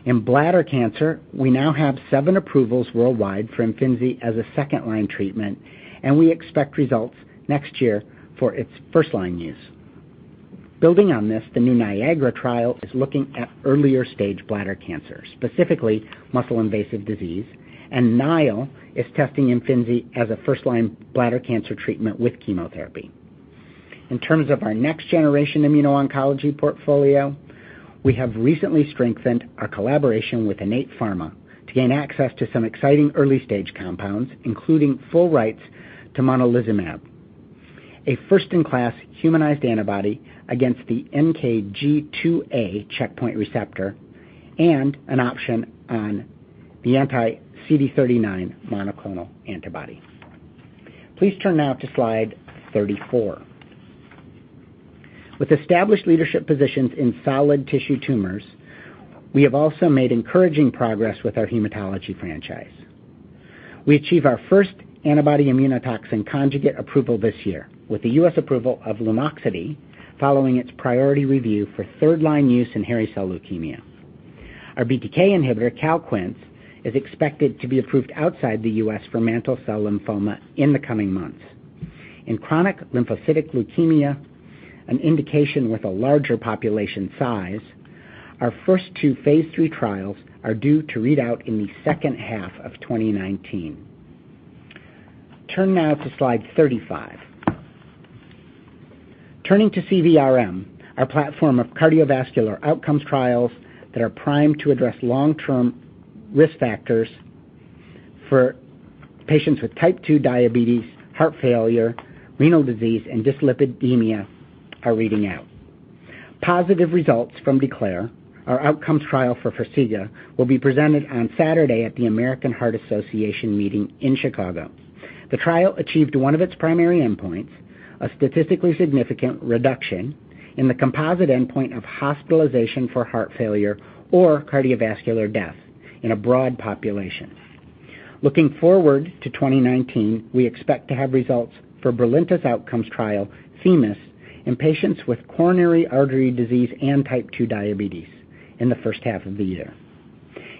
In bladder cancer, we now have seven approvals worldwide for IMFINZI as a second-line treatment, and we expect results next year for its first-line use. Building on this, the new NIAGARA trial is looking at earlier stage bladder cancer, specifically muscle-invasive disease, and NILE is testing IMFINZI as a first-line bladder cancer treatment with chemotherapy. In terms of our next generation immuno-oncology portfolio, we have recently strengthened our collaboration with Innate Pharma to gain access to some exciting early-stage compounds, including full rights to monalizumab, a first-in-class humanized antibody against the NKG2A checkpoint receptor and an option on the anti-CD39 monoclonal antibody. Please turn now to slide 34. With established leadership positions in solid tissue tumors, we have also made encouraging progress with our hematology franchise. We achieve our first antibody immunotoxin conjugate approval this year with the U.S. approval of LUMOXITI following its priority review for third-line use in hairy cell leukemia. Our BTK inhibitor, CALQUENCE, is expected to be approved outside the U.S. for mantle cell lymphoma in the coming months. In chronic lymphocytic leukemia, an indication with a larger population size, our first two phase III trials are due to read out in the second half of 2019. Turn now to slide 35. Turning to CVRM, our platform of cardiovascular outcomes trials that are primed to address long-term risk factors for patients with type 2 diabetes, heart failure, renal disease, and dyslipidemia are reading out. Positive results from DECLARE, our outcomes trial forFarxiga, will be presented on Saturday at the American Heart Association meeting in Chicago. The trial achieved one of its primary endpoints, a statistically significant reduction in the composite endpoint of hospitalization for heart failure or cardiovascular death in a broad population. Looking forward to 2019, we expect to have results for Brilinta's outcomes trial, THEMIS, in patients with coronary artery disease and type 2 diabetes in the first half of the year.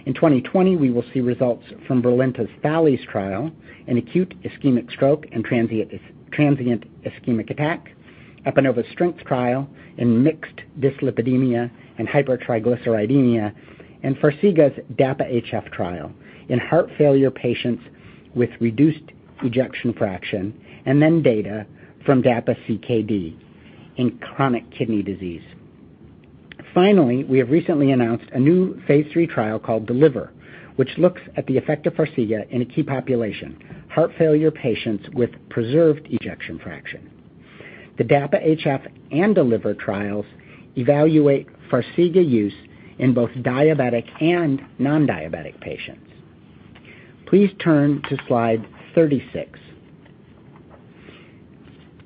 In 2020, we will see results from Brilinta's THALES trial in acute ischemic stroke and transient ischemic attack, EPANOVA's STRENGTH trial in mixed dyslipidemia and hypertriglyceridemia, Farxiga's DAPA-HF trial in heart failure patients with reduced ejection fraction, then data from DAPA-CKD in chronic kidney disease. Finally, we have recently announced a new phase III trial called DELIVER, which looks at the effect ofFarxiga in a key population, heart failure patients with preserved ejection fraction. The DAPA-HF and DELIVER trials evaluateFarxiga use in both diabetic and non-diabetic patients. Please turn to slide 36.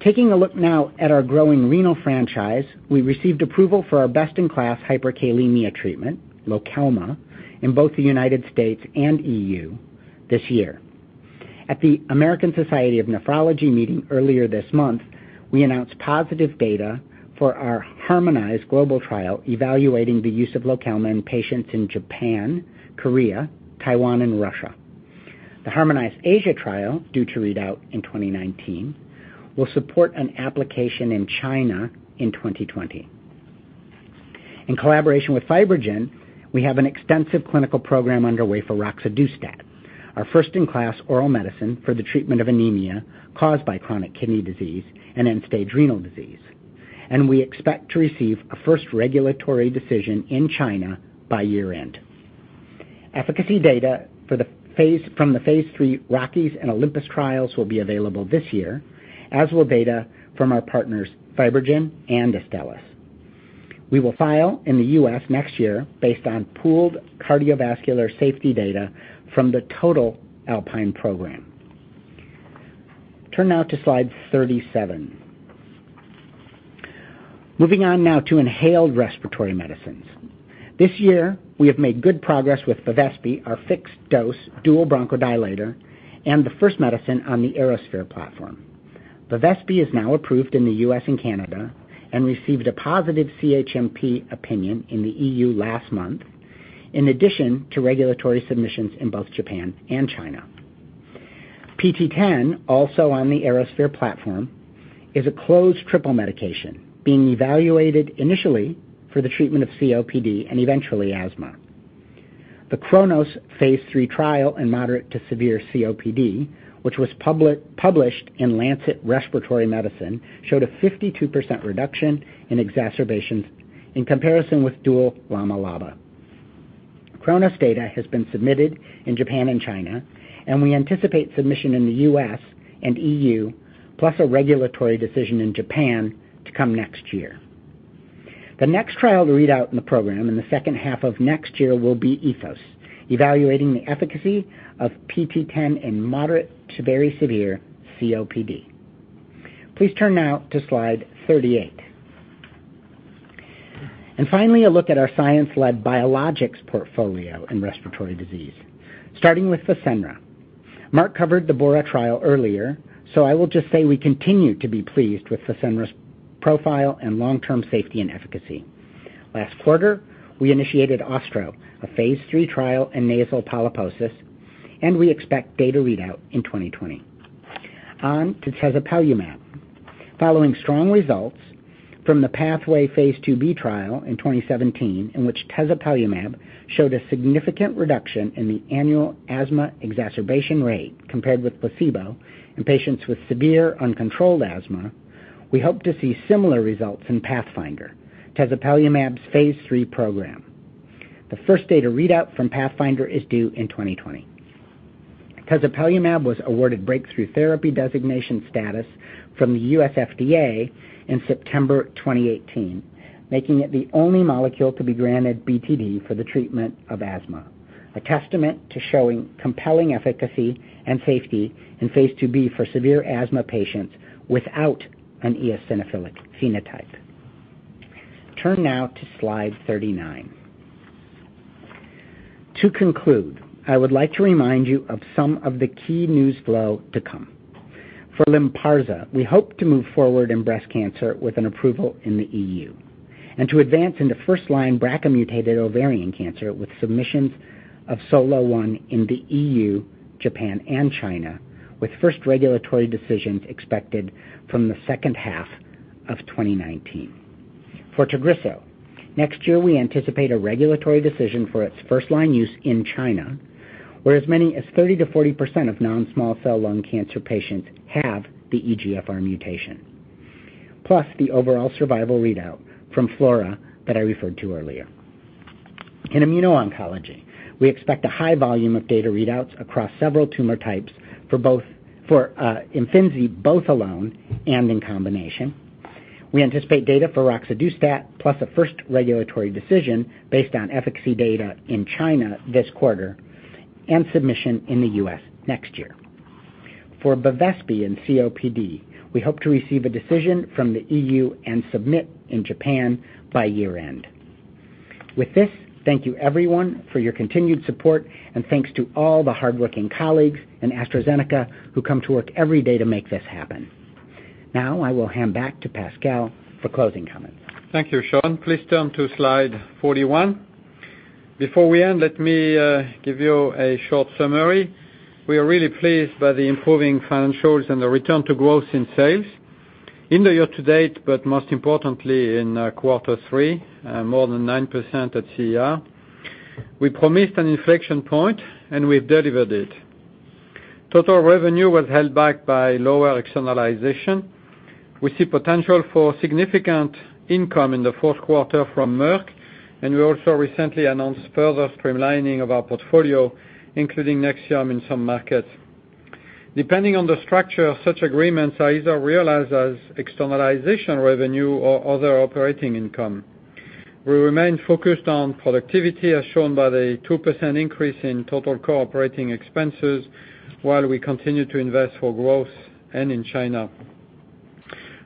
Taking a look now at our growing renal franchise, we received approval for our best-in-class hyperkalemia treatment, LOKELMA, in both the U.S. and EU this year. At the American Society of Nephrology meeting earlier this month, we announced positive data for our harmonized global trial evaluating the use of LOKELMA in patients in Japan, Korea, Taiwan, and Russia. The harmonized Asia trial, due to read out in 2019, will support an application in China in 2020. In collaboration with FibroGen, we have an extensive clinical program underway for roxadustat, our first-in-class oral medicine for the treatment of anemia caused by chronic kidney disease and end-stage renal disease, and we expect to receive a first regulatory decision in China by year-end. Efficacy data from the phase III ROCKIES and OLYMPUS trials will be available this year, as will data from our partners FibroGen and Astellas. We will file in the U.S. next year based on pooled cardiovascular safety data from the total ALPINE program. Turn now to slide 37. Moving on now to inhaled respiratory medicines. This year, we have made good progress with BEVESPI, our fixed-dose dual bronchodilator and the first medicine on the Aerosphere platform. BEVESPI is now approved in the U.S. and Canada and received a positive CHMP opinion in the EU last month, in addition to regulatory submissions in both Japan and China. PT010, also on the Aerosphere platform, is a closed triple medication being evaluated initially for the treatment of COPD and eventually asthma. The KRONOS phase III trial in moderate to severe COPD, which was published in The Lancet Respiratory Medicine, showed a 52% reduction in exacerbations in comparison with dual LAMA/LABA. KRONOS data has been submitted in Japan and China, we anticipate submission in the U.S. and EU, plus a regulatory decision in Japan to come next year. The next trial to read out in the program in the second half of next year will be POSEIDON, evaluating the efficacy of PT010 in moderate to very severe COPD. Please turn now to slide 38. Finally, a look at our science-led biologics portfolio in respiratory disease, starting with Fasenra. Mark Mallon covered the BORA trial earlier, so I will just say we continue to be pleased with Fasenra's profile and long-term safety and efficacy. Last quarter, we initiated ASTRO, a phase III trial in nasal polyposis, and we expect data readout in 2020. On to tezepelumab. Following strong results from the PATHWAY phase II-B trial in 2017, in which tezepelumab showed a significant reduction in the annual asthma exacerbation rate compared with placebo in patients with severe uncontrolled asthma, we hope to see similar results in PATHFINDER, tezepelumab's phase III program. The first data readout from PATHWAY is due in 2020. tezepelumab was awarded breakthrough therapy designation status from the U.S. FDA in September 2018, making it the only molecule to be granted BTD for the treatment of asthma, a testament to showing compelling efficacy and safety in phase II-B for severe asthma patients without an eosinophilic phenotype. Turn now to slide 39. To conclude, I would like to remind you of some of the key news flow to come. For LYNPARZA, we hope to move forward in breast cancer with an approval in the EU. To advance in the first-line BRCA-mutated ovarian cancer with submissions of SOLO-1 in the EU, Japan, and China, with first regulatory decisions expected from the second half of 2019. For TAGRISSO, next year we anticipate a regulatory decision for its first-line use in China, where as many as 30%-40% of non-small cell lung cancer patients have the EGFR mutation, plus the overall survival readout from FLAURA that I referred to earlier. In immuno-oncology, we expect a high volume of data readouts across several tumor types for IMFINZI, both alone and in combination. We anticipate data for roxadustat, plus a first regulatory decision based on efficacy data in China this quarter, and submission in the U.S. next year. For BEVESPI in COPD, we hope to receive a decision from the EU and submit in Japan by year-end. With this, thank you, everyone, for your continued support, and thanks to all the hardworking colleagues in AstraZeneca who come to work every day to make this happen. Now, I will hand back to Pascal for closing comments. Thank you, Sean. Please turn to slide 41. Before we end, let me give you a short summary. We are really pleased by the improving financials and the return to growth in sales in the year-to-date, but most importantly, in quarter three, more than 9% at CER. We promised an inflection point, and we've delivered it. Total revenue was held back by lower externalization. We see potential for significant income in the fourth quarter from Merck. We also recently announced further streamlining of our portfolio, including Nexium in some markets. Depending on the structure of such agreements are either realized as externalization revenue or other operating income. We remain focused on productivity as shown by the 2% increase in total cooperating expenses while we continue to invest for growth and in China.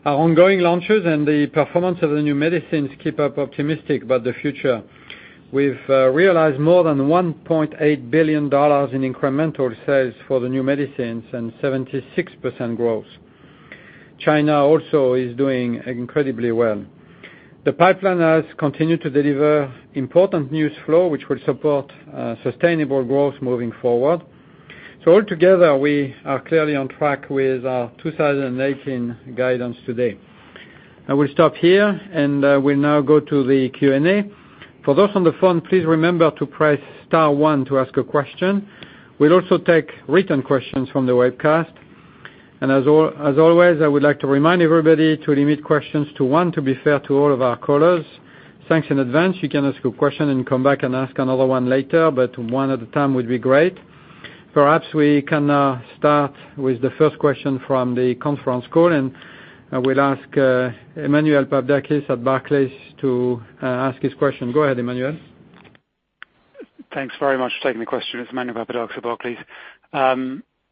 Our ongoing launches and the performance of the new medicines keep us optimistic about the future. We've realized more than $1.8 billion in incremental sales for the new medicines and 76% growth. China also is doing incredibly well. The pipeline has continued to deliver important news flow, which will support sustainable growth moving forward. Altogether, we are clearly on track with our 2018 guidance today. I will stop here, and we'll now go to the Q&A. For those on the phone, please remember to press star one to ask a question. We'll also take written questions from the webcast. As always, I would like to remind everybody to limit questions to one to be fair to all of our callers. Thanks in advance. You can ask a question and come back and ask another one later, but one at a time would be great. Perhaps we can start with the first question from the conference call. I will ask Emmanuel Papadakis at Barclays to ask his question. Go ahead, Emmanuel. Thanks very much for taking the question. It is Emmanuel Papadakis at Barclays.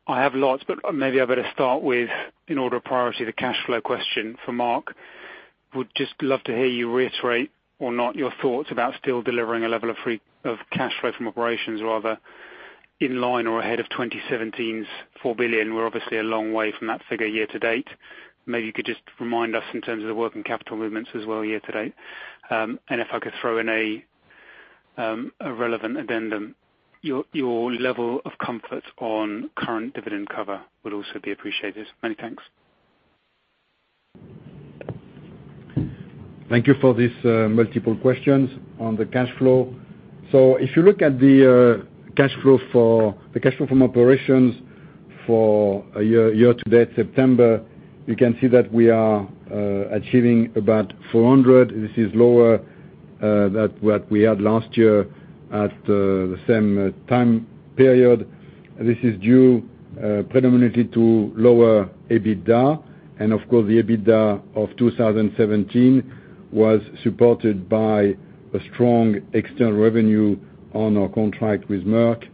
I have lots, maybe I better start with, in order of priority, the cash flow question for Marc. Would just love to hear you reiterate or not your thoughts about still delivering a level of cash flow from operations, rather, in line or ahead of 2017's 4 billion. We are obviously a long way from that figure year-to-date. Maybe you could just remind us in terms of the working capital movements as well year-to-date. If I could throw in a relevant addendum, your level of comfort on current dividend cover would also be appreciated. Many thanks. Thank you for these multiple questions on the cash flow. If you look at the cash flow from operations for a year-to-date, September, you can see that we are achieving about 400. This is lower than what we had last year at the same time period. This is due predominantly to lower EBITDA. Of course, the EBITDA of 2017 was supported by a strong external revenue on our contract with Merck.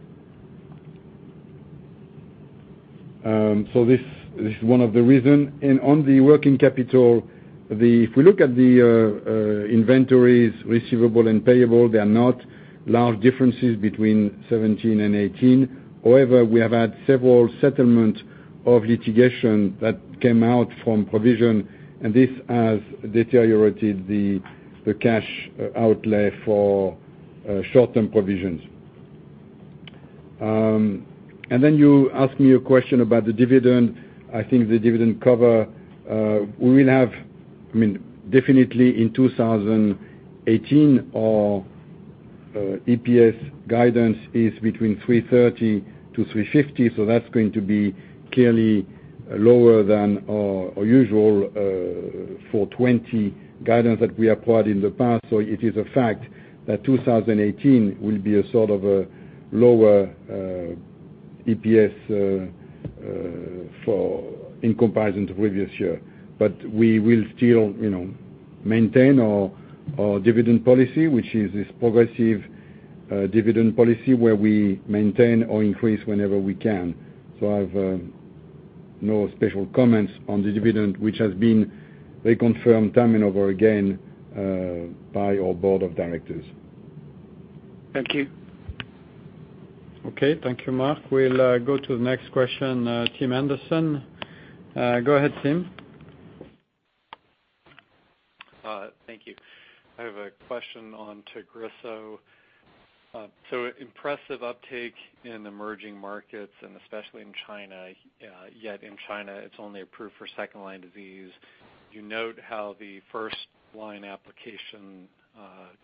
This is one of the reasons. On the working capital, if we look at the inventories receivable and payable, they are not large differences between 2017 and 2018. However, we have had several settlements of litigation that came out from provision, and this has deteriorated the cash outlay for short-term provisions. You ask me a question about the dividend. I think the dividend cover, we will have definitely in 2018. Our EPS guidance is between 330-350, that is going to be clearly lower than our usual 420 guidance that we applied in the past. It is a fact that 2018 will be a sort of a lower EPS in comparison to previous year. We will still maintain our dividend policy, which is this progressive dividend policy where we maintain or increase whenever we can. I have no special comments on the dividend, which has been reconfirmed time and over again by our board of directors. Thank you. Okay. Thank you, Marc. We'll go to the next question, Tim Anderson. Go ahead, Tim. Thank you. I have a question on TAGRISSO. Impressive uptake in emerging markets, and especially in China. Yet in China, it is only approved for second-line disease. You note how the first-line application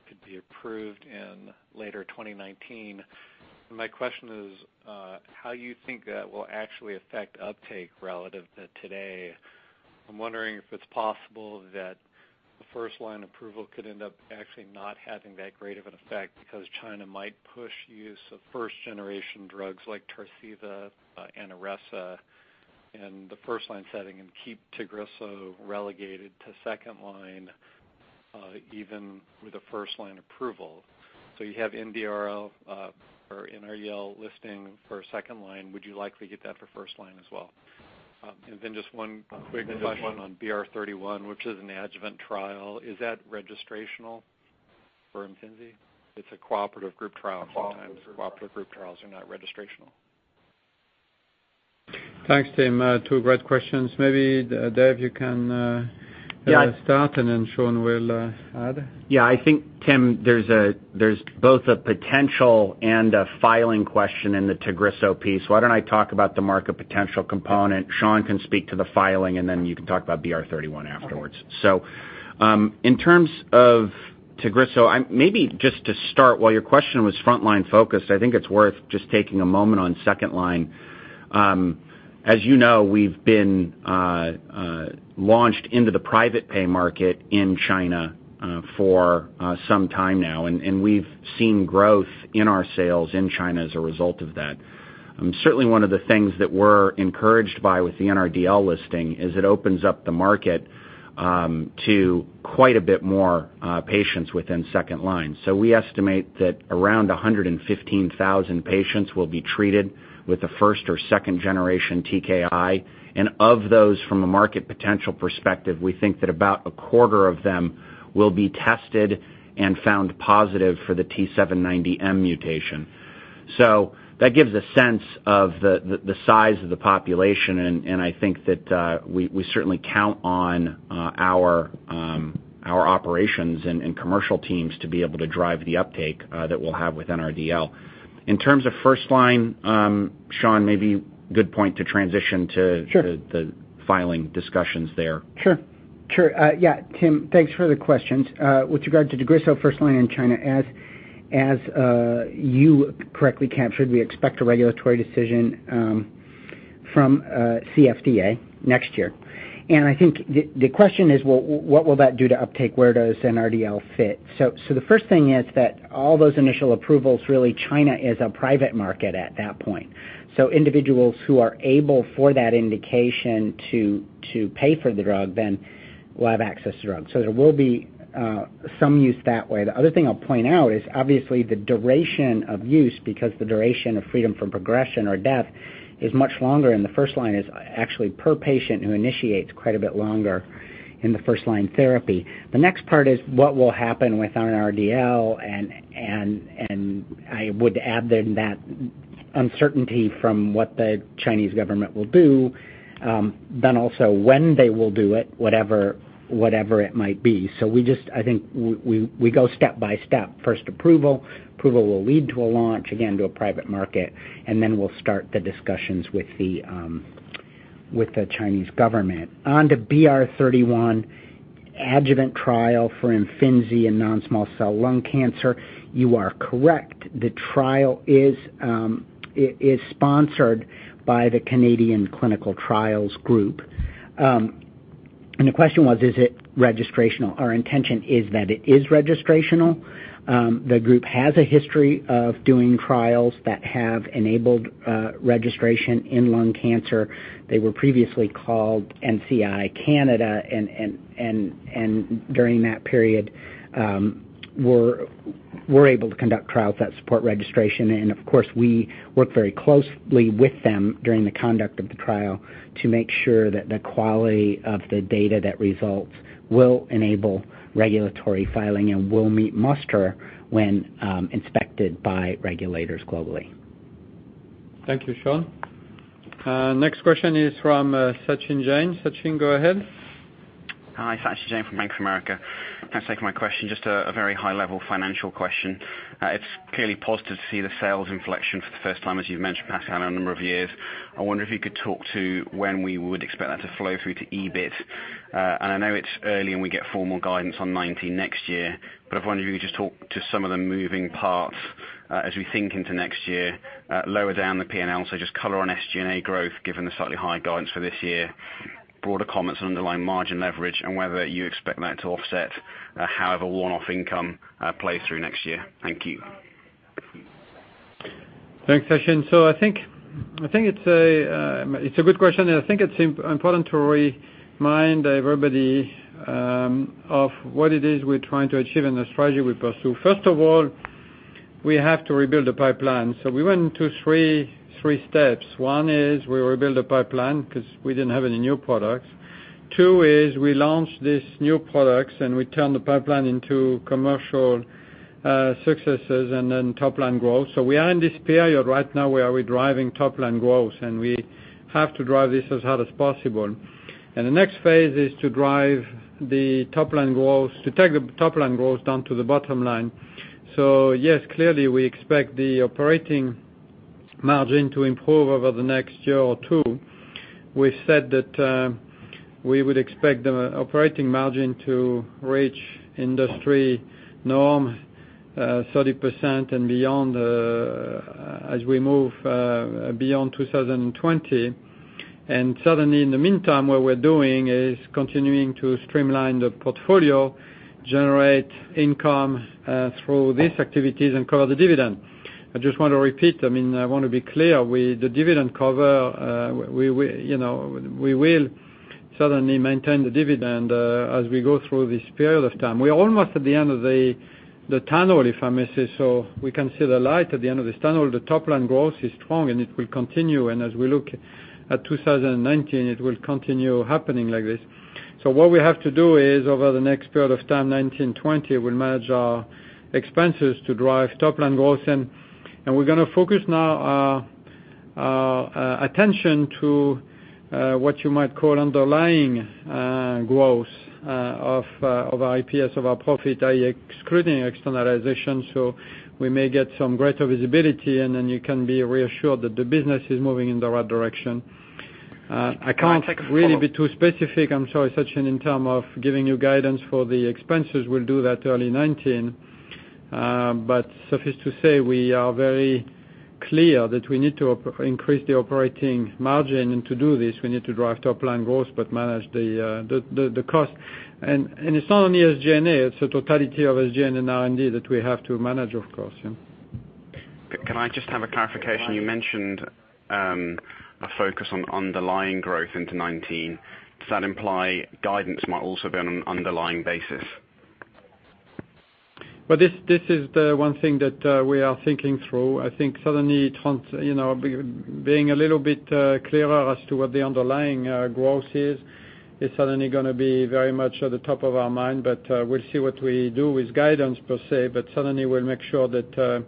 could be approved in later 2019. My question is how you think that will actually affect uptake relative to today. I am wondering if it is possible that the first-line approval could end up actually not having that great of an effect because China might push use of first-generation drugs like Tarceva and IRESSA in the first-line setting and keep TAGRISSO relegated to second-line, even with a first-line approval. You have NDRL or NRDL listing for second-line. Would you likely get that for first-line as well? And then just one quick question on BR31, which is an adjuvant trial. Is that registrational for IMFINZI? It is a cooperative group trial sometimes. Cooperative group trials are not registrational. Thanks, Tim. Two great questions. Maybe Dave, you can start and then Sean will add. Tim, there's both a potential and a filing question in the TAGRISSO piece. Why don't I talk about the market potential component, Sean can speak to the filing, then you can talk about BR31 afterwards. In terms of TAGRISSO, maybe just to start, while your question was frontline focused, I think it's worth just taking a moment on second line. As you know, we've been launched into the private pay market in China for some time now, and we've seen growth in our sales in China as a result of that. Certainly one of the things that we're encouraged by with the NRDL listing is it opens up the market to quite a bit more patients within second line. We estimate that around 115,000 patients will be treated with a first or second-generation TKI. Of those from a market potential perspective, we think that about a quarter of them will be tested and found positive for the T790M mutation. That gives a sense of the size of the population, and I think that we certainly count on our operations and commercial teams to be able to drive the uptake that we'll have with NRDL. In terms of first line, Sean, maybe good point to transition to the filing discussions there. Tim, thanks for the questions. With regard to TAGRISSO first line in China, as you correctly captured, we expect a regulatory decision from CFDA next year. I think the question is what will that do to uptake? Where does NRDL fit? The first thing is that all those initial approvals, really China is a private market at that point. Individuals who are able for that indication to pay for the drug then will have access to the drug. There will be some use that way. The other thing I'll point out is obviously the duration of use because the duration of freedom from progression or death is much longer in the first line is actually per patient who initiates quite a bit longer in the first line therapy. The next part is what will happen with NRDL. I would add then that uncertainty from what the Chinese government will do, then also when they will do it, whatever it might be. I think we go step by step. First approval will lead to a launch, again, to a private market, then we'll start the discussions with the Chinese government. On to BR31 adjuvant trial for IMFINZI and non-small cell lung cancer. You are correct. The trial is sponsored by the Canadian Cancer Trials Group. The question was, is it registrational? Our intention is that it is registrational. The group has a history of doing trials that have enabled registration in lung cancer. They were previously called NCI Canada, and during that period, were able to conduct trials that support registration. Of course, we work very closely with them during the conduct of the trial to make sure that the quality of the data that results will enable regulatory filing and will meet muster when inspected by regulators globally. Thank you, Sean. Next question is from Sachin Jain. Sachin, go ahead. Hi, Sachin Jain from Bank of America. Thanks for taking my question. Just a very high-level financial question. It's clearly positive to see the sales inflection for the first time, as you've mentioned, Pascal, in a number of years. I wonder if you could talk to when we would expect that to flow through to EBIT. I know it's early, and we get formal guidance on 2019 next year, but I wonder if you could just talk to some of the moving parts as we think into next year, lower down the P&L. Just color on SG&A growth given the slightly higher guidance for this year, broader comments on underlying margin leverage, and whether you expect that to offset however one-off income plays through next year. Thank you. Thanks, Sachin. I think it's a good question, I think it's important to remind everybody of what it is we're trying to achieve and the strategy we pursue. First of all, we have to rebuild the pipeline. We went into three steps. One is we rebuild the pipeline because we didn't have any new products. Two is we launch these new products, we turn the pipeline into commercial successes and then top-line growth. We are in this period right now where we're driving top-line growth, we have to drive this as hard as possible. The next phase is to drive the top-line growth, to take the top-line growth down to the bottom line. Yes, clearly, we expect the operating margin to improve over the next year or two. We've said that we would expect the operating margin to reach industry norm, 30% and beyond as we move beyond 2020. Certainly, in the meantime, what we're doing is continuing to streamline the portfolio, generate income through these activities, and cover the dividend. I just want to repeat, I want to be clear. The dividend cover, we will certainly maintain the dividend as we go through this period of time. We're almost at the end of the tunnel, if I may say so. We can see the light at the end of this tunnel. The top-line growth is strong, and it will continue. As we look at 2019, it will continue happening like this. What we have to do is, over the next period of time, 2019, 2020, we'll manage our expenses to drive top-line growth. We're going to focus now our attention to what you might call underlying growth of our EPS, of our profit, i.e., excluding externalization. We may get some greater visibility, and then you can be reassured that the business is moving in the right direction. Can I take a follow-up? I can't really be too specific, I'm sorry, Sachin, in term of giving you guidance for the expenses. We'll do that early 2019. Suffice to say, we are very clear that we need to increase the operating margin. To do this, we need to drive top-line growth but manage the cost. It's not only SG&A, it's the totality of SG&A and R&D that we have to manage, of course. Can I just have a clarification? You mentioned a focus on underlying growth into 2019. Does that imply guidance might also be on an underlying basis? This is the one thing that we are thinking through. I think certainly being a little bit clearer as to what the underlying growth is certainly going to be very much at the top of our mind. We'll see what we do with guidance per se. Certainly, we'll make sure that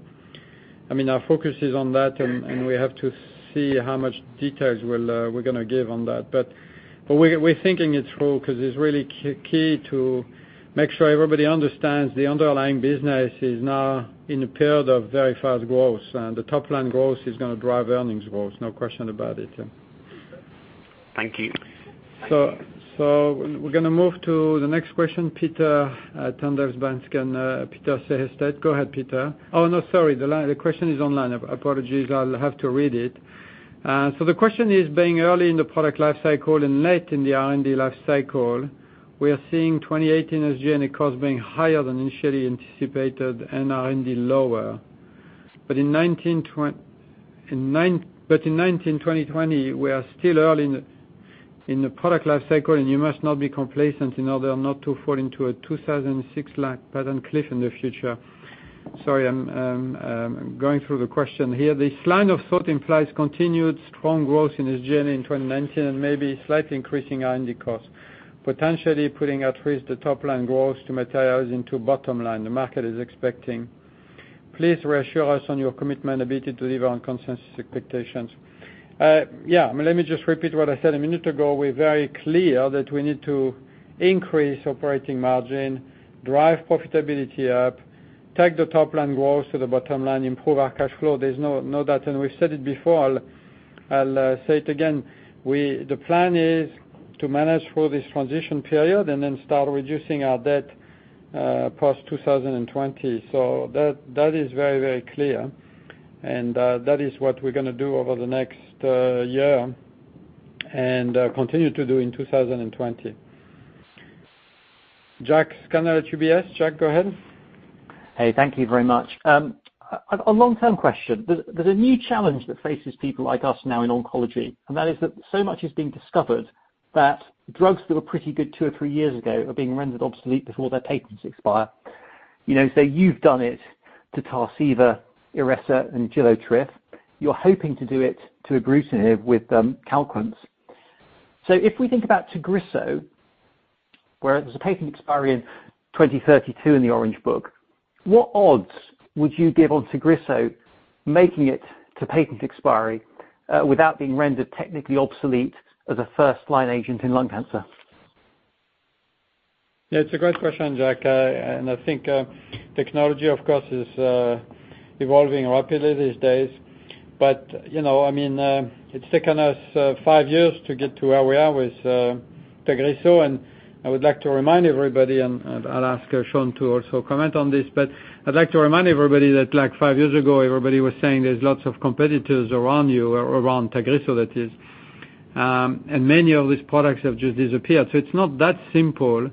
our focus is on that, and we have to see how much details we're going to give on that. We're thinking it through because it's really key to make sure everybody understands the underlying business is now in a period of very fast growth, and the top-line growth is going to drive earnings growth. No question about it. Thank you. We're going to move to the next question. Peter at Danske Bank, and Peter Sehested. Go ahead, Peter. Oh, no, sorry. The question is online. Apologies. I'll have to read it. The question is, being early in the product life cycle and late in the R&D life cycle, we are seeing 2018 SG&A costs being higher than initially anticipated and R&D lower. In 2019, 2020, we are still early in the product life cycle, and you must not be complacent in order not to fall into a 2006-like patent cliff in the future. Sorry, I'm going through the question here. This line of thought implies continued strong growth in SG&A in 2019 and maybe slightly increasing R&D costs, potentially putting at risk the top-line growth to materialize into bottom line the market is expecting. Please reassure us on your commitment ability to deliver on consensus expectations. Yeah. Let me just repeat what I said a minute ago. We're very clear that we need to increase operating margin, drive profitability up, take the top-line growth to the bottom line, improve our cash flow. There's no doubt, and we've said it before, I'll say it again. The plan is to manage through this transition period and then start reducing our debt post-2020. That is very clear. That is what we're going to do over the next year and continue to do in 2020. Jack Scannell at UBS. Jack, go ahead. Hey, thank you very much. A long-term question. There's a new challenge that faces people like us now in oncology, and that is that so much is being discovered that drugs that were pretty good two or three years ago are being rendered obsolete before their patents expire. Say you've done it to Tarceva, Iressa, and GILOTRIF. You're hoping to do it to ibrutinib with CALQUENCE. If we think about TAGRISSO, where there's a patent expiry in 2032 in the Orange Book, what odds would you give on TAGRISSO making it to patent expiry without being rendered technically obsolete as a first-line agent in lung cancer? Yeah, it's a great question, Jack. I think technology, of course, is evolving rapidly these days. It's taken us five years to get to where we are with TAGRISSO. I would like to remind everybody, and I'll ask Sean to also comment on this, but I'd like to remind everybody that five years ago, everybody was saying there's lots of competitors around you or around TAGRISSO, that is. Many of these products have just disappeared. It's not that simple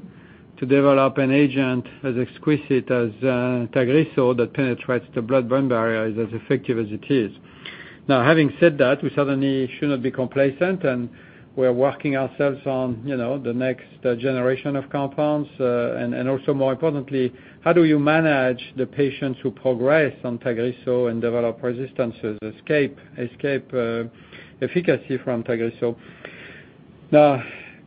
to develop an agent as exquisite as TAGRISSO that penetrates the blood-brain barrier, is as effective as it is. Having said that, we certainly should not be complacent, and we're working ourselves on the next generation of compounds. Also more importantly, how do you manage the patients who progress on TAGRISSO and develop resistance, escape efficacy from TAGRISSO?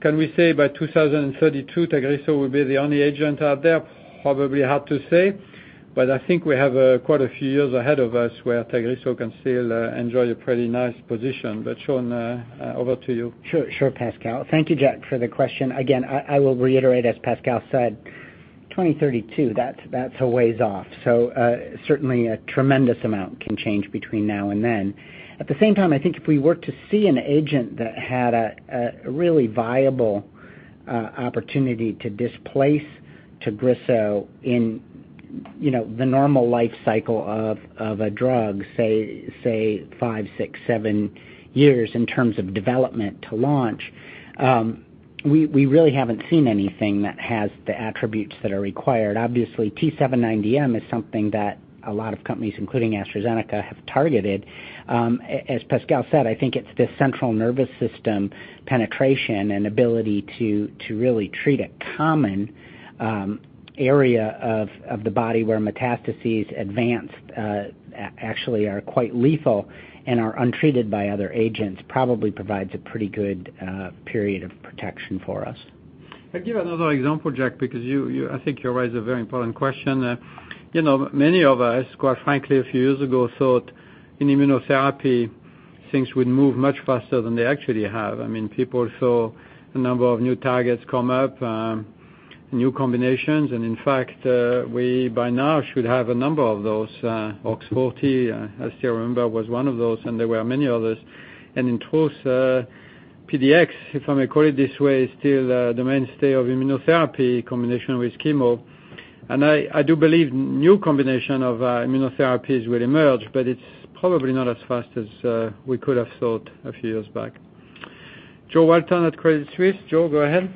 Can we say by 2032 TAGRISSO will be the only agent out there? Probably hard to say, but I think we have quite a few years ahead of us where TAGRISSO can still enjoy a pretty nice position. Sean, over to you. Sure, Pascal. Thank you, Jack, for the question. Again, I will reiterate, as Pascal said, 2032, that's a ways off. Certainly, a tremendous amount can change between now and then. At the same time, I think if we were to see an agent that had a really viable opportunity to displace TAGRISSO in the normal life cycle of a drug, say five, six, seven years in terms of development to launch, we really haven't seen anything that has the attributes that are required. Obviously, T790M is something that a lot of companies, including AstraZeneca, have targeted. As Pascal said, I think it's the central nervous system penetration and ability to really treat a common area of the body where metastases advanced actually are quite lethal and are untreated by other agents, probably provides a pretty good period of protection for us. I'll give another example, Jack, because I think you raise a very important question. Many of us, quite frankly, a few years ago, thought in immunotherapy things would move much faster than they actually have. People saw a number of new targets come up, new combinations, in fact, we by now should have a number of those. OX40, as you remember, was one of those, there were many others. In truth, PD-1, if I may call it this way, is still the mainstay of immunotherapy combination with chemo. I do believe new combination of immunotherapies will emerge, but it's probably not as fast as we could have thought a few years back. Jo Walton at Credit Suisse. Jo, go ahead.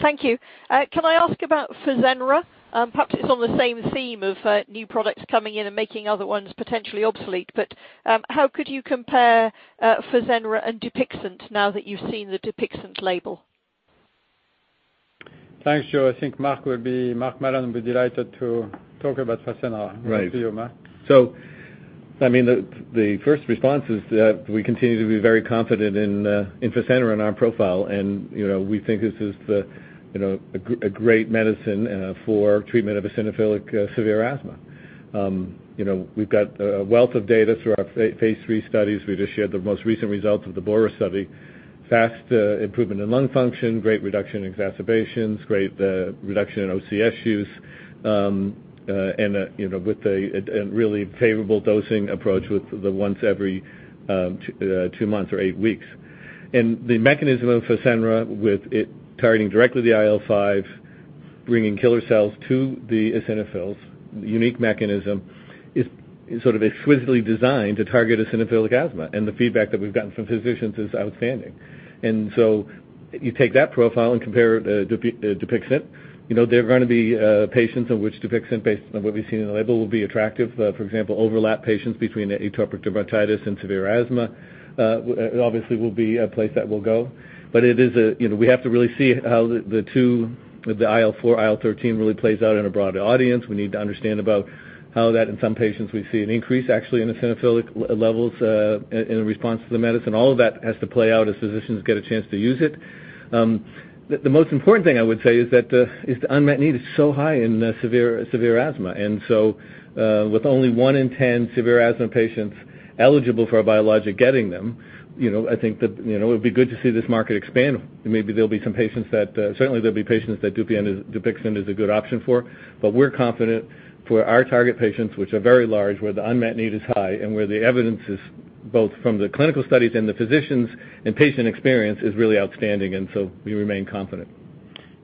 Thank you. Can I ask about Fasenra? Perhaps it's on the same theme of new products coming in and making other ones potentially obsolete, but how could you compare Fasenra and DUPIXENT now that you've seen the DUPIXENT label? Thanks, Jo. I think Mark Mallon would be delighted to talk about Fasenra. Right. Over to you, Mark. The first response is that we continue to be very confident in Fasenra and our profile, and we think this is a great medicine for treatment of eosinophilic severe asthma. We've got a wealth of data through our phase III studies. We just shared the most recent results of the BORA study. Fast improvement in lung function, great reduction in exacerbations, great reduction in OCS use, and with a really favorable dosing approach with the once every two months or eight weeks. The mechanism of Fasenra with it targeting directly the IL-5, bringing killer cells to the eosinophils, unique mechanism, is exquisitely designed to target eosinophilic asthma, and the feedback that we've gotten from physicians is outstanding. You take that profile and compare it to Dupixent. There are going to be patients in which Dupixent, based on what we've seen in the label, will be attractive. For example, overlap patients between atopic dermatitis and severe asthma obviously will be a place that will go. We have to really see how the two, the IL-4, IL-13 really plays out in a broader audience. We need to understand about how that in some patients we see an increase actually in eosinophilic levels in response to the medicine. All of that has to play out as physicians get a chance to use it. The most important thing I would say is the unmet need is so high in severe asthma. With only one in 10 severe asthma patients eligible for a biologic getting them, I think that it would be good to see this market expand. Certainly there'll be patients that DUPIXENT is a good option for. We're confident for our target patients, which are very large, where the unmet need is high, and where the evidence is both from the clinical studies and the physicians and patient experience is really outstanding, and so we remain confident.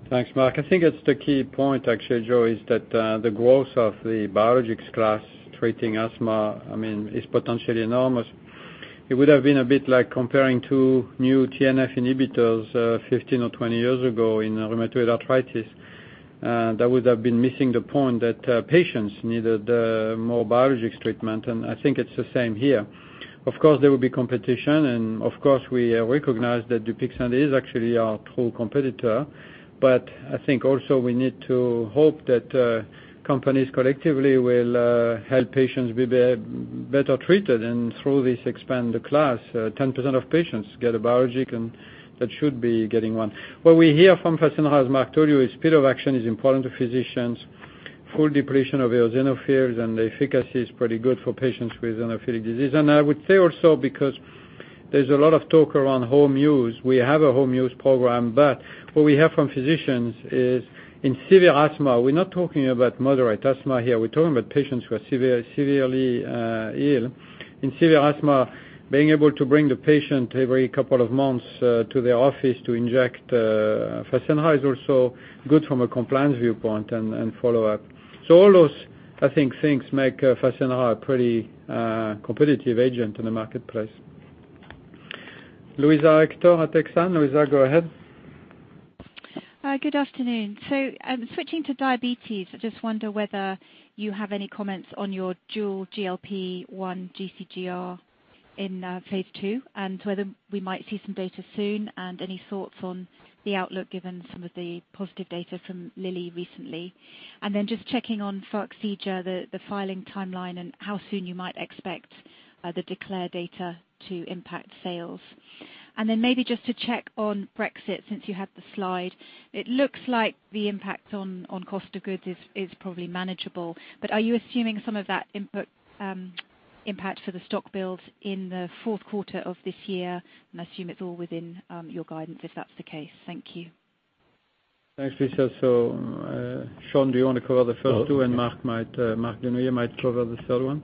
Thanks, Mark. I think it's the key point, actually, Jo, is that the growth of the biologics class treating asthma is potentially enormous. It would have been a bit like comparing two new TNF inhibitors 15 or 20 years ago in rheumatoid arthritis. That would have been missing the point that patients needed a more biologics treatment, I think it's the same here. Of course, there will be competition, we recognize that DUPIXENT is actually our true competitor. I think also we need to hope that companies collectively will help patients be better treated and through this expand the class. 10% of patients get a biologic, that should be getting one. What we hear from Fasenra, as Mark told you, is speed of action is important to physicians, full depletion of eosinophils, the efficacy is pretty good for patients with an eosinophilic disease. I would say also because there's a lot of talk around home use, we have a home use program, but what we hear from physicians is in severe asthma, we're not talking about moderate asthma here. We're talking about patients who are severely ill. In severe asthma, being able to bring the patient every couple of months to their office to inject Fasenra is also good from a compliance viewpoint and follow-up. All those, I think, things make Fasenra a pretty competitive agent in the marketplace. Louisa Hector at Exane. Louisa, go ahead. Good afternoon. Switching to diabetes, I just wonder whether you have any comments on your dual GLP-1 GCGR in phase II, whether we might see some data soon, any thoughts on the outlook given some of the positive data from Lilly recently. Then just checking onFarxiga, the filing timeline and how soon you might expect The DECLARE data to impact sales. Then maybe just to check on Brexit, since you had the slide. It looks like the impact on cost of goods is probably manageable, but are you assuming some of that impact for the stock build in the fourth quarter of this year? I assume it's all within your guidance, if that's the case. Thank you. Thanks, Louisa. Sean, do you want to cover the first two? Marc Dunoyer might cover the third one.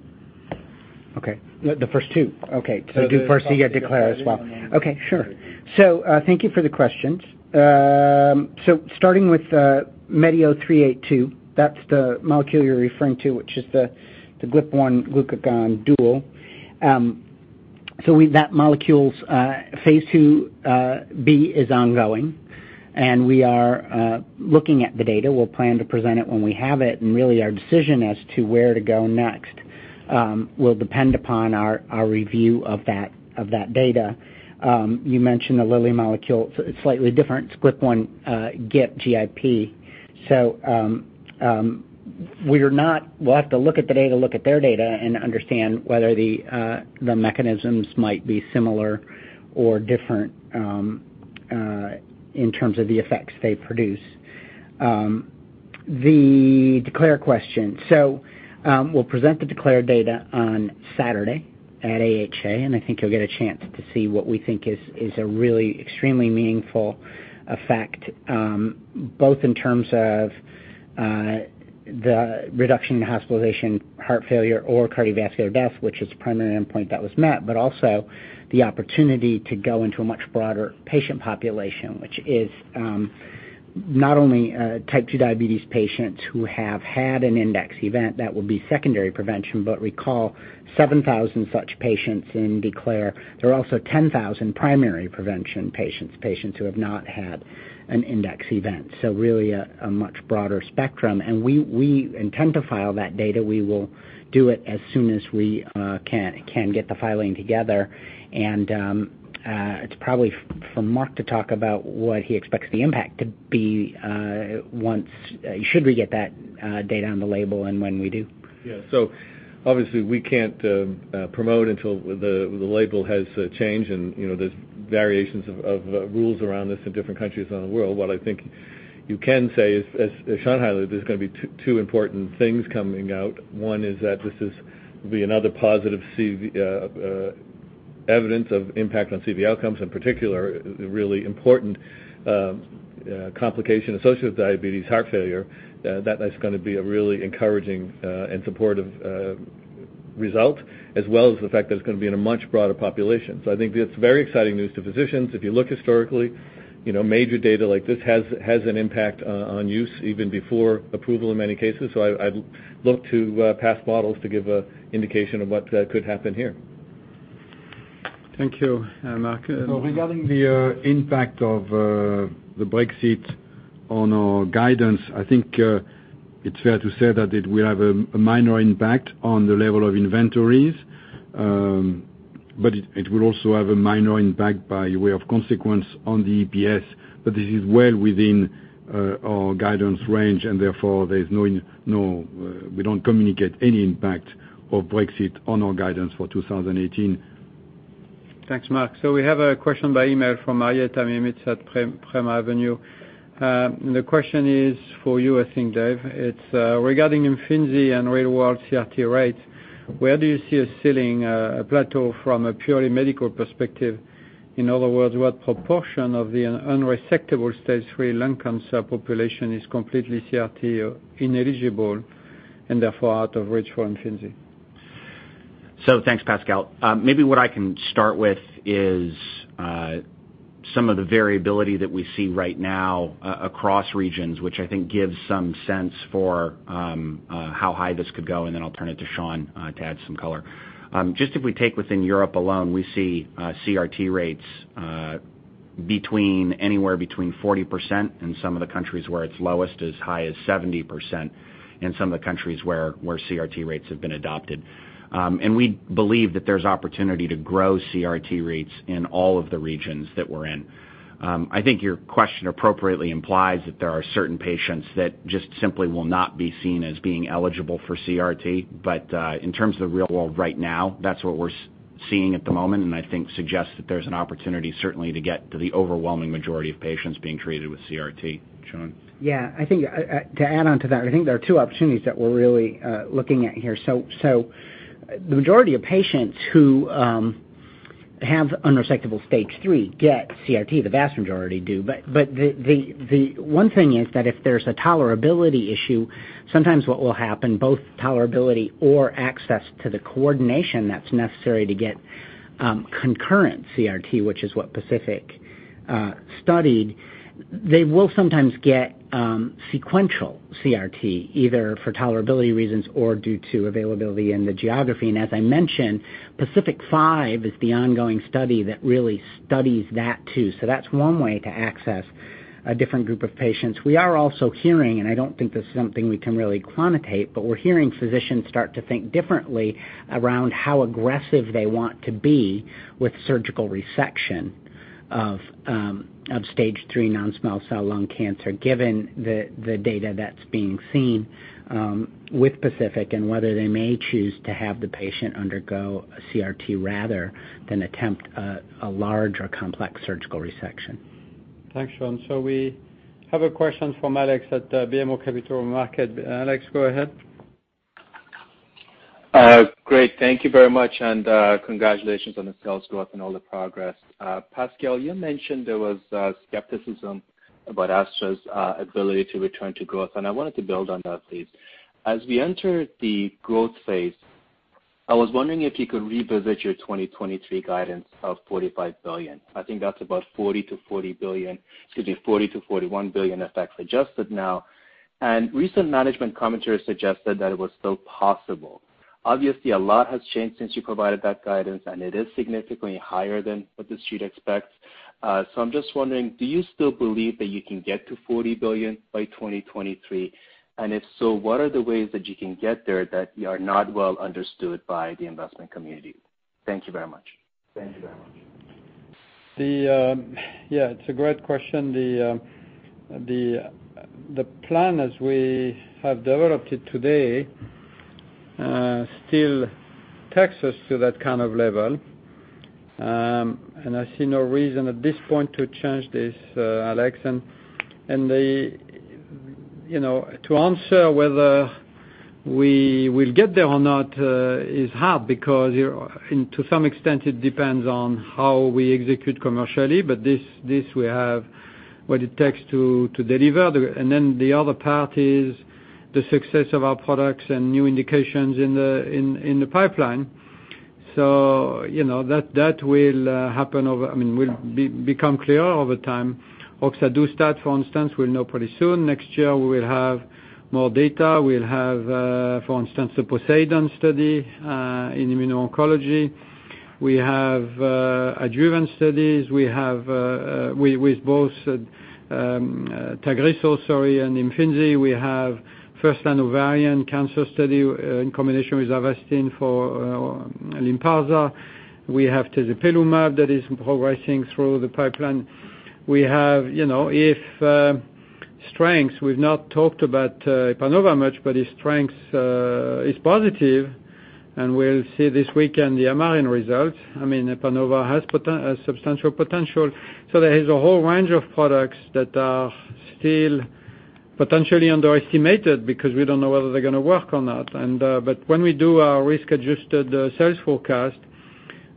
Okay. The first two? Okay. Do The first two, yeah DECLARE as well. Then the third one. Okay, sure. Thank you for the questions. Starting with MEDI0382, that's the molecule you're referring to, which is the GLP-1 glucagon dual. That molecule's phase II-B is ongoing, and we are looking at the data. We'll plan to present it when we have it. Really our decision as to where to go next will depend upon our review of that data. You mentioned the Lilly molecule. It's slightly different. It's GLP-1 GIP, G-I-P. We'll have to look at the data, look at their data, and understand whether the mechanisms might be similar or different in terms of the effects they produce. The DECLARE question. We'll present the DECLARE data on Saturday at AHA, and I think you'll get a chance to see what we think is a really extremely meaningful effect, both in terms of the reduction in hospitalization, heart failure, or cardiovascular death, which is the primary endpoint that was met. Also the opportunity to go into a much broader patient population, which is not only type 2 diabetes patients who have had an index event that would be secondary prevention, but recall 7,000 such patients in DECLARE. There are also 10,000 primary prevention patients who have not had an index event. Really a much broader spectrum, and we intend to file that data. We will do it as soon as we can get the filing together. It's probably for Marc to talk about what he expects the impact to be should we get that data on the label and when we do. Yeah. Obviously we can't promote until the label has changed, and there's variations of rules around this in different countries around the world. What I think you can say is, as Sean highlighted, there's going to be two important things coming out. One is that this will be another positive evidence of impact on CV outcomes, in particular, a really important complication associated with diabetes, heart failure. That's going to be a really encouraging and supportive result, as well as the fact that it's going to be in a much broader population. I think that's very exciting news to physicians. If you look historically, major data like this has an impact on use even before approval in many cases. I look to past models to give an indication of what could happen here. Thank you, Marc. Regarding the impact of the Brexit on our guidance, I think it's fair to say that it will have a minor impact on the level of inventories. It will also have a minor impact by way of consequence on the EPS, this is well within our guidance range, and therefore we don't communicate any impact of Brexit on our guidance for 2018. Thanks, Mark. We have a question by email from Mariette Amir. It's at Prem Avenue. The question is for you, I think, Dave. It's regarding IMFINZI and real-world CRT rates. Where do you see a ceiling, a plateau from a purely medical perspective? In other words, what proportion of the unresectable stage 3 lung cancer population is completely CRT ineligible and therefore out of reach for IMFINZI? Thanks, Pascal. Maybe what I can start with is some of the variability that we see right now across regions, which I think gives some sense for how high this could go, and then I'll turn it to Sean to add some color. Just if we take within Europe alone, we see CRT rates anywhere between 40% in some of the countries where it's lowest, as high as 70% in some of the countries where CRT rates have been adopted. We believe that there's opportunity to grow CRT rates in all of the regions that we're in. I think your question appropriately implies that there are certain patients that just simply will not be seen as being eligible for CRT. In terms of the real world right now, that's what we're seeing at the moment, and I think suggests that there's an opportunity, certainly, to get to the overwhelming majority of patients being treated with CRT. Sean? To add onto that, I think there are two opportunities that we're really looking at here. The majority of patients who have unresectable stage 3 get CRT. The vast majority do. The one thing is that if there's a tolerability issue, sometimes what will happen, both tolerability or access to the coordination that's necessary to get concurrent CRT, which is what PACIFIC studied. They will sometimes get sequential CRT, either for tolerability reasons or due to availability in the geography. As I mentioned, PACIFIC-5 is the ongoing study that really studies that, too. That's one way to access a different group of patients. We are also hearing, I don't think this is something we can really quantitate, we're hearing physicians start to think differently around how aggressive they want to be with surgical resection of stage 3 non-small cell lung cancer, given the data that's being seen with PACIFIC and whether they may choose to have the patient undergo a CRT rather than attempt a large or complex surgical resection. Thanks, Sean. We have a question from Alex at BMO Capital Markets. Alex, go ahead. Great. Thank you very much. Congratulations on the sales growth and all the progress. Pascal, you mentioned there was skepticism about Astra's ability to return to growth, I wanted to build on that, please. As we enter the growth phase, I was wondering if you could revisit your 2023 guidance of $45 billion. I think that's about $40 billion-$41 billion effect adjusted now. Recent management commentary suggested that it was still possible. Obviously, a lot has changed since you provided that guidance, it is significantly higher than what the Street expects. I'm just wondering, do you still believe that you can get to $40 billion by 2023? If so, what are the ways that you can get there that are not well understood by the investment community? Thank you very much. Thank you very much. Yeah, it's a great question. The plan as we have developed it today, still takes us to that kind of level. I see no reason at this point to change this, Alex. To answer whether we will get there or not is hard because to some extent, it depends on how we execute commercially, but we have what it takes to deliver. That will become clear over time. roxadustat, for instance, we will know pretty soon. Next year, we will have more data. We will have, for instance, the POSEIDON study in immuno-oncology. We have adjuvant studies. We have with both TAGRISSO, sorry, and IMFINZI. We have first-line ovarian cancer study in combination with Avastin for LYNPARZA. We have AtezoPluma that is progressing through the pipeline. If STRENGTH, we have not talked about EPANOVA much, but its STRENGTH is positive, and we will see this week in the MRN results. EPANOVA has substantial potential. There is a whole range of products that are still potentially underestimated because we do not know whether they are going to work or not. When we do our risk-adjusted sales forecast,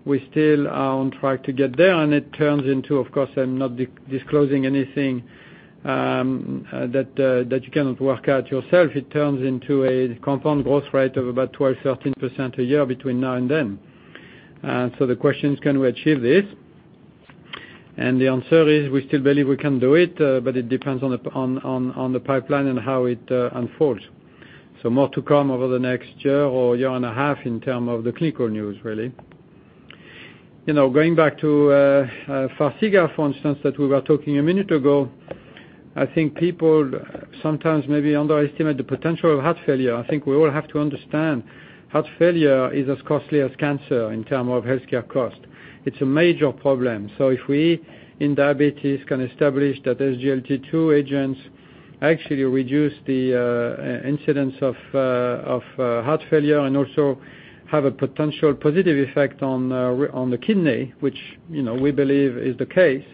we still are on track to get there, and it turns into, of course, I am not disclosing anything that you cannot work out yourself. It turns into a compound growth rate of about 12%-13% a year between now and then. The question is, can we achieve this? The answer is, we still believe we can do it, but it depends on the pipeline and how it unfolds. More to come over the next year or year and a half in terms of the clinical news, really. Going back toFarxiga, for instance, that we were talking a minute ago, I think people sometimes maybe underestimate the potential of heart failure. I think we all have to understand heart failure is as costly as cancer in terms of healthcare cost. It is a major problem. If we, in diabetes, can establish that SGLT2 agents actually reduce the incidence of heart failure and also have a potential positive effect on the kidney, which we believe is the case,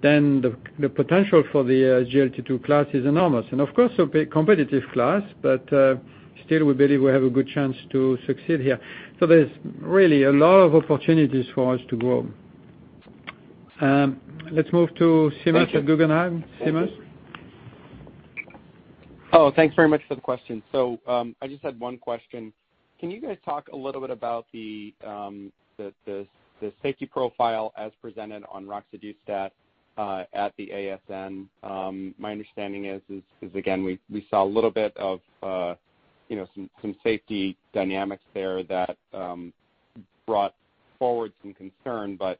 then the potential for the SGLT2 class is enormous. Of course, a competitive class, but still, we believe we have a good chance to succeed here. There is really a lot of opportunities for us to grow. Let us move to Seamus at Guggenheim. Seamus? Thanks very much for the question. I just had one question. Can you guys talk a little bit about the safety profile as presented on roxadustat at the ASN? My understanding is, because, again, we saw a little bit of some safety dynamics there that brought forward some concern, but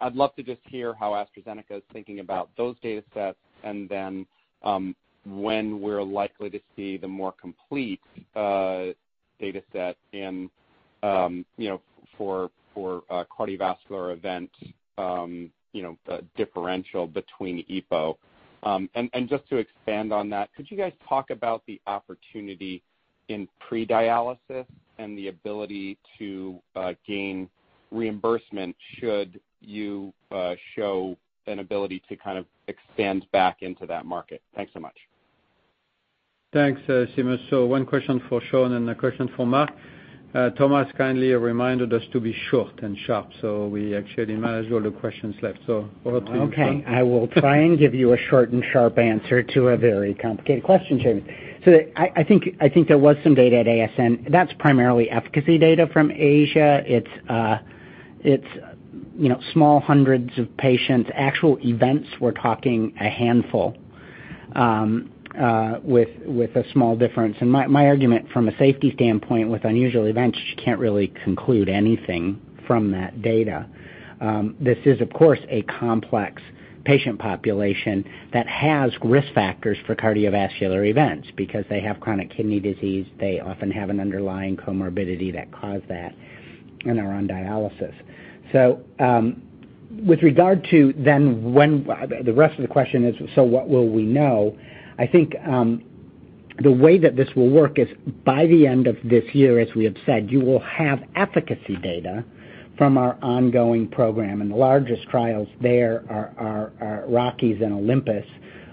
I would love to just hear how AstraZeneca is thinking about those datasets and then when we are likely to see the more complete dataset for cardiovascular event differential between EPO. Just to expand on that, could you guys talk about the opportunity in pre-dialysis and the ability to gain reimbursement should you show an ability to kind of expand back into that market? Thanks so much. Thanks, Seamus. One question for Sean and a question for Marc. Thomas kindly reminded us to be short and sharp, we actually managed all the questions left. Over to you, Sean. Okay, I will try and give you a short and sharp answer to a very complicated question, Seamus. I think there was some data at ASN. That's primarily efficacy data from Asia. It's small hundreds of patients. Actual events, we're talking a handful with a small difference. My argument from a safety standpoint with unusual events, you can't really conclude anything from that data. This is, of course, a complex patient population that has risk factors for cardiovascular events because they have chronic kidney disease. They often have an underlying comorbidity that caused that and are on dialysis. With regard to then when the rest of the question is, what will we know? The way that this will work is by the end of this year, as we have said, you will have efficacy data from our ongoing program, and the largest trials there are Rockies and OLYMPUS.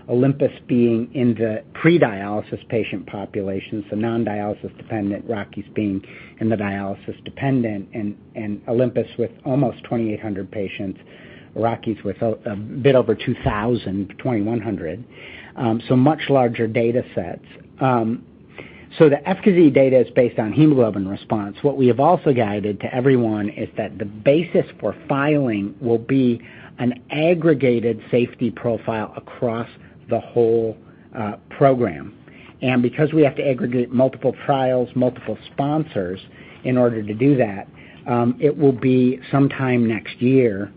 OLYMPUS being in the pre-dialysis patient population, non-dialysis dependent, Rockies being in the dialysis dependent, and OLYMPUS with almost 2,800 patients, Rockies with a bit over 2,000, 2,100. Much larger data sets. The efficacy data is based on hemoglobin response. What we have also guided to everyone is that the basis for filing will be an aggregated safety profile across the whole program. Because we have to aggregate multiple trials, multiple sponsors in order to do that, it will be sometime next year,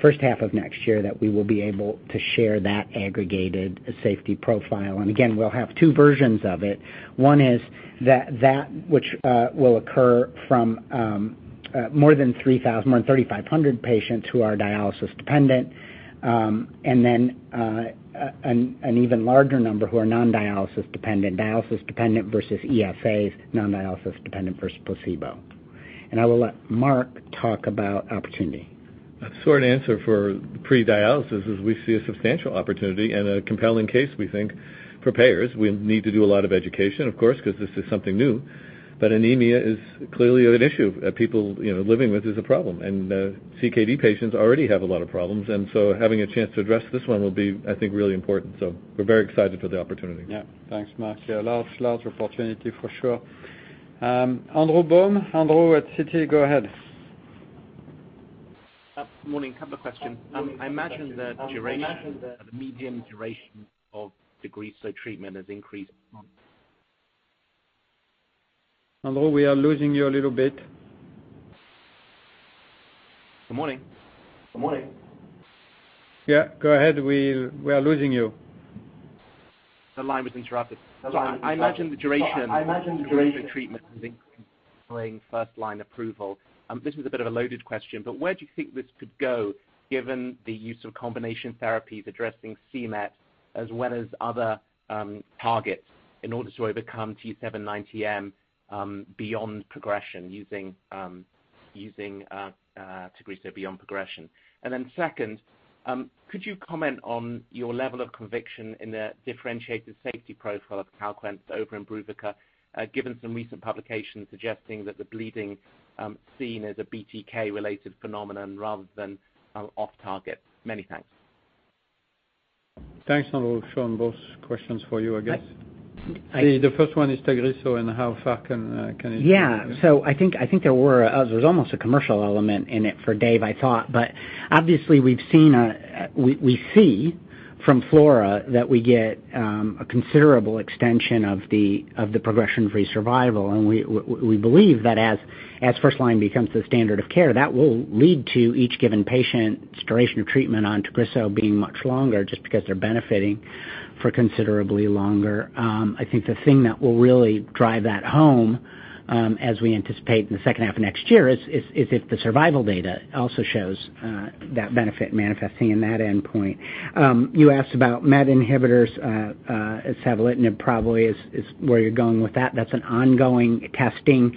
first half of next year, that we will be able to share that aggregated safety profile. Again, we'll have two versions of it. One is that which will occur from more than 3,000, more than 3,500 patients who are dialysis dependent, and then an even larger number who are non-dialysis dependent, dialysis dependent versus ESAs, non-dialysis dependent versus placebo. I will let Mark talk about opportunity. The short answer for pre-dialysis is we see a substantial opportunity and a compelling case we think for payers. We need to do a lot of education, of course, because this is something new, but anemia is clearly an issue people living with is a problem, and CKD patients already have a lot of problems. Having a chance to address this one will be, I think, really important. We're very excited for the opportunity. Thanks, Mark. Large opportunity for sure. Andrew Baum. Andrew at Citi, go ahead. Morning. Couple of questions. I imagine the duration, the median duration of TAGRISSO treatment has increased on- Andrew, we are losing you a little bit. Good morning. Yeah, go ahead. We are losing you. The line was interrupted. Yeah. I imagine the duration. Yeah of treatment has increased following first-line approval. This is a bit of a loaded question, but where do you think this could go given the use of combination therapies addressing c-MET as well as other targets in order to overcome T790M beyond progression using TAGRISSO beyond progression? Second, could you comment on your level of conviction in the differentiated safety profile of CALQUENCE over Imbruvica, given some recent publications suggesting that the bleeding seen as a BTK-related phenomenon rather than off-target. Many thanks. Thanks, Andrew. Sean, both questions for you, I guess. I- The first one is TAGRISSO and how far can it go? I think there was almost a commercial element in it for Dave, I thought. Obviously we see from FLAURA that we get a considerable extension of the progression-free survival, and we believe that as first-line becomes the standard of care, that will lead to each given patient's duration of treatment on TAGRISSO being much longer just because they're benefiting for considerably longer. I think the thing that will really drive that home, as we anticipate in the second half of next year is if the survival data also shows that benefit manifesting in that endpoint. You asked about MET inhibitors, savolitinib probably is where you're going with that. That's an ongoing testing.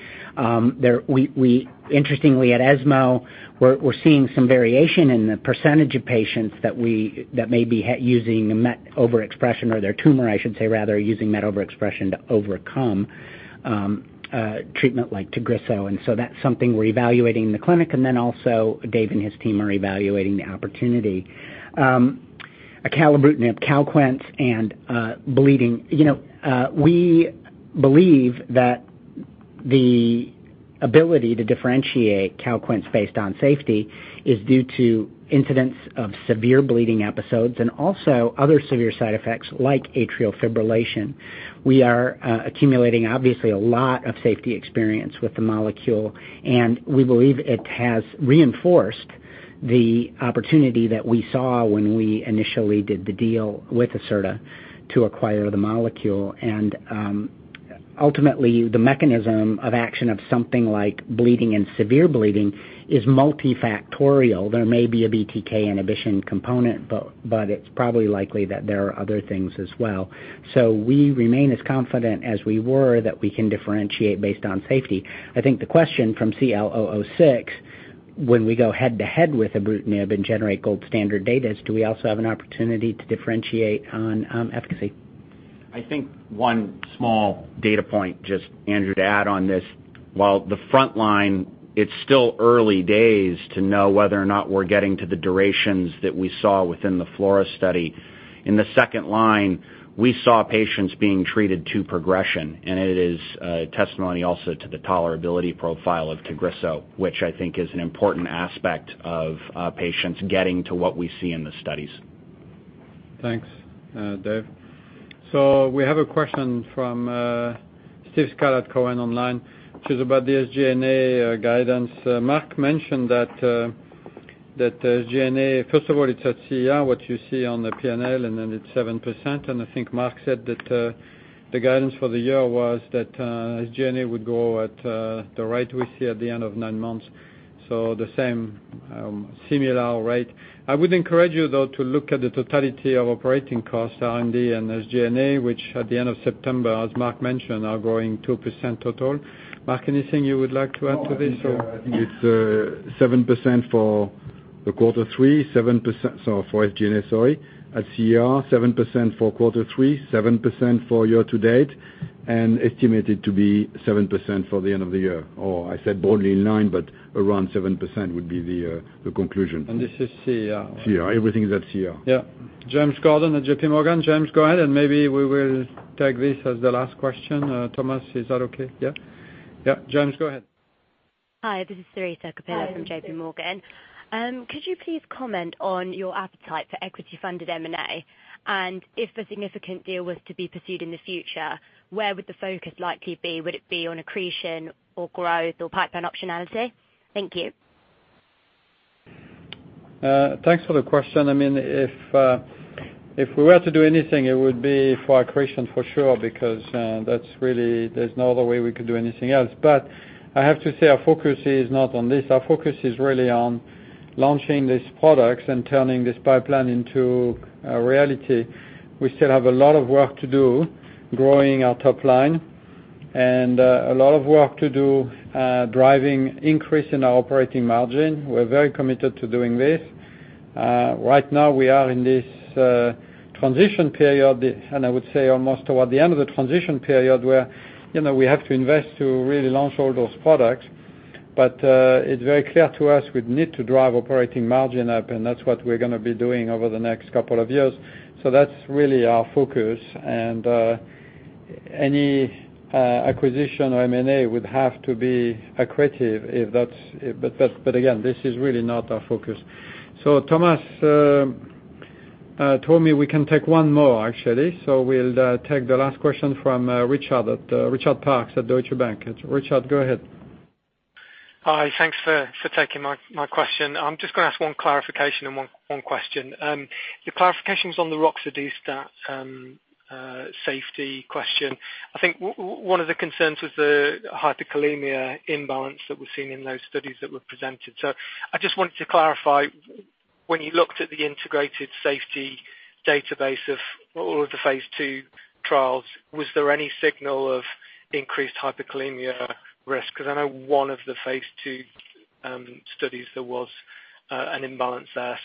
Interestingly at ESMO, we're seeing some variation in the percentage of patients that may be using a MET overexpression or their tumor, I should say rather, using MET overexpression to overcome treatment like TAGRISSO. That's something we're evaluating in the clinic. Also Dave and his team are evaluating the opportunity. acalabrutinib, CALQUENCE, and bleeding. We believe that the ability to differentiate Calquence based on safety is due to incidents of severe bleeding episodes and also other severe side effects like atrial fibrillation. We are accumulating, obviously, a lot of safety experien ce with the molecule, and we believe it has reinforced the opportunity that we saw when we initially did the deal with Acerta to acquire the molecule. Ultimately, the mechanism of action of something like bleeding and severe bleeding is multifactorial. There may be a BTK inhibition component, but it's probably likely that there are other things as well. We remain as confident as we were that we can differentiate based on safety. I think the question from CL006, when we go head to head with ibrutinib and generate gold standard data, is do we also have an opportunity to differentiate on efficacy? I think one small data point, just Andrew to add on this. While the front line, it's still early days to know whether or not we're getting to the durations that we saw within the FLAURA study. In the second line, we saw patients being treated to progression, and it is a testimony also to the tolerability profile of TAGRISSO, which I think is an important aspect of patients getting to what we see in the studies. Thanks, Dave. We have a question from Steve Scala online, which is about the SG&A guidance. Marc mentioned that SG&A, first of all, it's at CER, what you see on the P&L, then it's 7%. I think Marc said that the guidance for the year was that SG&A would go at the rate we see at the end of nine months. The same similar rate. I would encourage you, though, to look at the totality of operating costs, R&D and SG&A, which at the end of September, as Marc mentioned, are growing 2% total. Marc, anything you would like to add to this? No, I think it's 7% for the quarter three, 7% Sorry, for SG&A. At CER, 7% for quarter three, 7% for year-to-date, and estimated to be 7% for the end of the year. I said broadly in line, but around 7% would be the conclusion. This is CER. CER. Everything is at CER. Yeah. James Gordon at JPMorgan. James, go ahead. Maybe we will take this as the last question. Thomas, is that okay? Yeah? Yeah. James, go ahead. Hi, this is Sarita Kapila from JPMorgan. Could you please comment on your appetite for equity-funded M&A? If a significant deal was to be pursued in the future, where would the focus likely be? Would it be on accretion or growth or pipeline optionality? Thank you. Thanks for the question. If we were to do anything, it would be for accretion for sure, because there's no other way we could do anything else. I have to say, our focus is not on this. Our focus is really on launching these products and turning this pipeline into a reality. We still have a lot of work to do growing our top line, and a lot of work to do driving increase in our operating margin. We're very committed to doing this. Right now, we are in this transition period, and I would say almost toward the end of the transition period, where we have to invest to really launch all those products. It's very clear to us we need to drive operating margin up, and that's what we're going to be doing over the next couple of years. That's really our focus, and any acquisition or M&A would have to be accretive. But again, this is really not our focus. Thomas told me we can take one more, actually. We'll take the last question from Richard Parkes at Deutsche Bank. Richard, go ahead. Hi. Thanks for taking my question. I'm just going to ask one clarification and one question. The clarification is on the roxadustat safety question. I think one of the concerns was the hyperkalemia imbalance that was seen in those studies that were presented. I just wanted to clarify, when you looked at the integrated safety database of all of the phase II trials, was there any signal of increased hyperkalemia risk? Because I know one of the phase II studies, there was an imbalance there.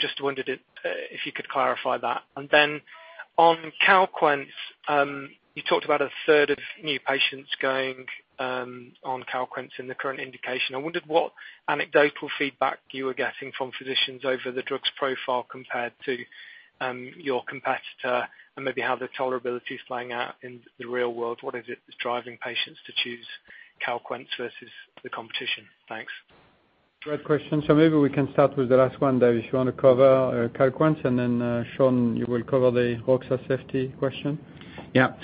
Just wondered if you could clarify that. On CALQUENCE, you talked about a third of new patients going on CALQUENCE in the current indication. I wondered what anecdotal feedback you were getting from physicians over the drug's profile compared to your competitor, and maybe how the tolerability is playing out in the real world. What is it that's driving patients to choose CALQUENCE versus the competition? Thanks. Great question. Maybe we can start with the last one, Dave, if you want to cover CALQUENCE, and then Sean, you will cover the roxa safety question. Yeah.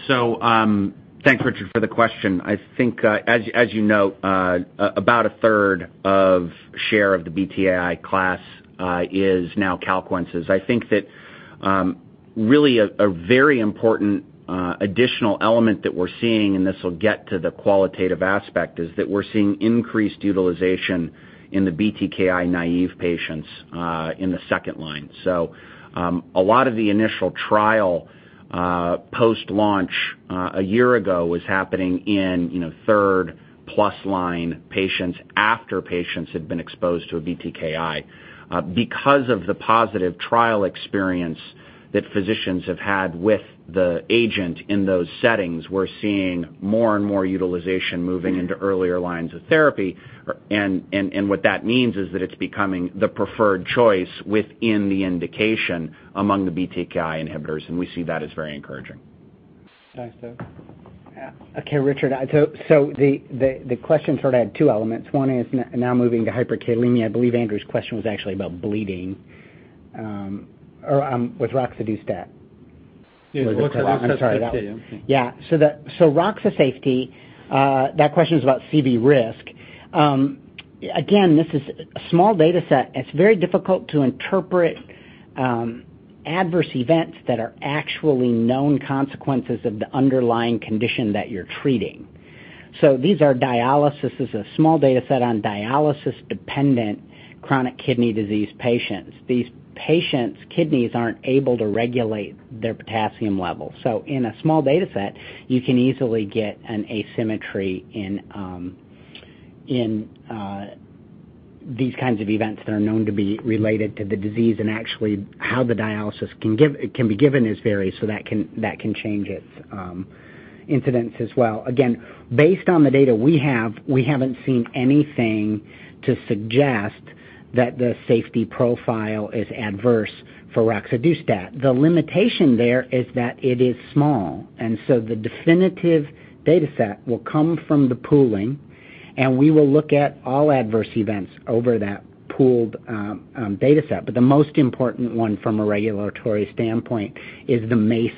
Thanks, Richard, for the question. I think, as you know, about a third of share of the BTKi class is now CALQUENCE's. I think that really a very important additional element that we're seeing, and this will get to the qualitative aspect, is that we're seeing increased utilization in the BTKi-naive patients in the second line. A lot of the initial trial post-launch a year ago was happening in third-plus line patients after patients had been exposed to a BTKi. Because of the positive trial experience that physicians have had with the agent in those settings, we're seeing more and more utilization moving into earlier lines of therapy. What that means is that it's becoming the preferred choice within the indication among the BTKi inhibitors, and we see that as very encouraging. Thanks, Dave. Okay, Richard. The question sort of had two elements. One is now moving to hyperkalemia. I believe Andrew's question was actually about bleeding with roxadustat. Yeah, roxadustat too. Yeah. Roxa safety, that question is about CV risk. Again, this is a small data set. It's very difficult to interpret adverse events that are actually known consequences of the underlying condition that you're treating. These are dialysis. This is a small data set on dialysis-dependent chronic kidney disease patients. These patients' kidneys aren't able to regulate their potassium levels. In a small data set, you can easily get an asymmetry in these kinds of events that are known to be related to the disease, and actually how the dialysis can be given is varied, so that can change its incidence as well. Again, based on the data we have, we haven't seen anything to suggest that the safety profile is adverse for roxadustat. The limitation there is that it is small. The definitive data set will come from the pooling, and we will look at all adverse events over that pooled data set. The most important one from a regulatory standpoint is the MACE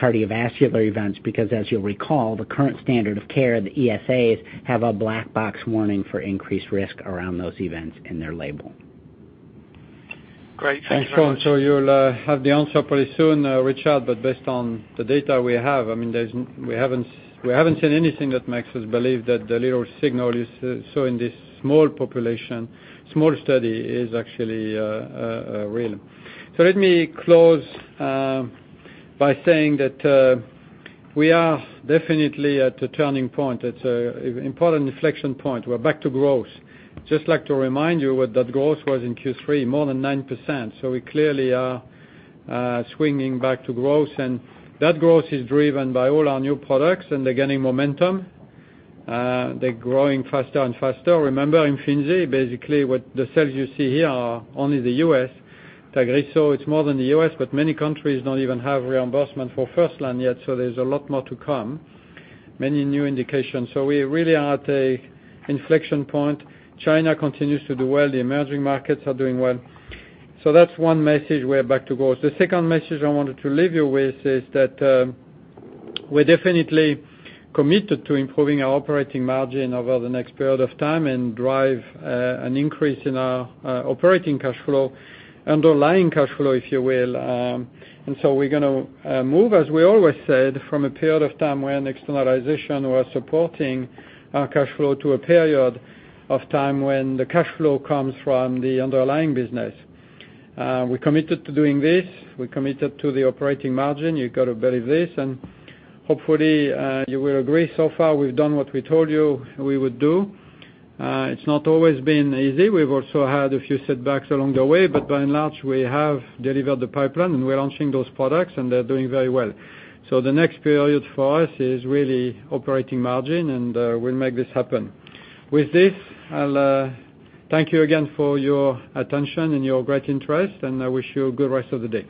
cardiovascular events because as you'll recall, the current standard of care, the ESAs, have a black box warning for increased risk around those events in their label. Great. Thank you very much. You'll have the answer pretty soon, Richard. Based on the data we have, we haven't seen anything that makes us believe that the little signal we saw in this small population, small study, is actually real. Let me close by saying that we are definitely at a turning point. It's an important inflection point. We're back to growth. Just like to remind you what that growth was in Q3, more than 9%. We clearly are swinging back to growth, and that growth is driven by all our new products, and they're gaining momentum. They're growing faster and faster. Remember IMFINZI, basically what the sales you see here are only the U.S. Tagrisso, it's more than the U.S., but many countries don't even have reimbursement for first line yet, there's a lot more to come, many new indications. We really are at an inflection point. China continues to do well. The emerging markets are doing well. That's one message, we're back to growth. The second message I wanted to leave you with is that we're definitely committed to improving our operating margin over the next period of time and drive an increase in our operating cash flow, underlying cash flow, if you will. We're going to move, as we always said, from a period of time when externalization was supporting our cash flow to a period of time when the cash flow comes from the underlying business. We're committed to doing this. We're committed to the operating margin. You've got to believe this, and hopefully you will agree so far we've done what we told you we would do. It's not always been easy. We've also had a few setbacks along the way, by and large, we have delivered the pipeline, and we're launching those products, and they're doing very well. The next period for us is really operating margin, and we'll make this happen. With this, I'll thank you again for your attention and your great interest, and I wish you a good rest of the day.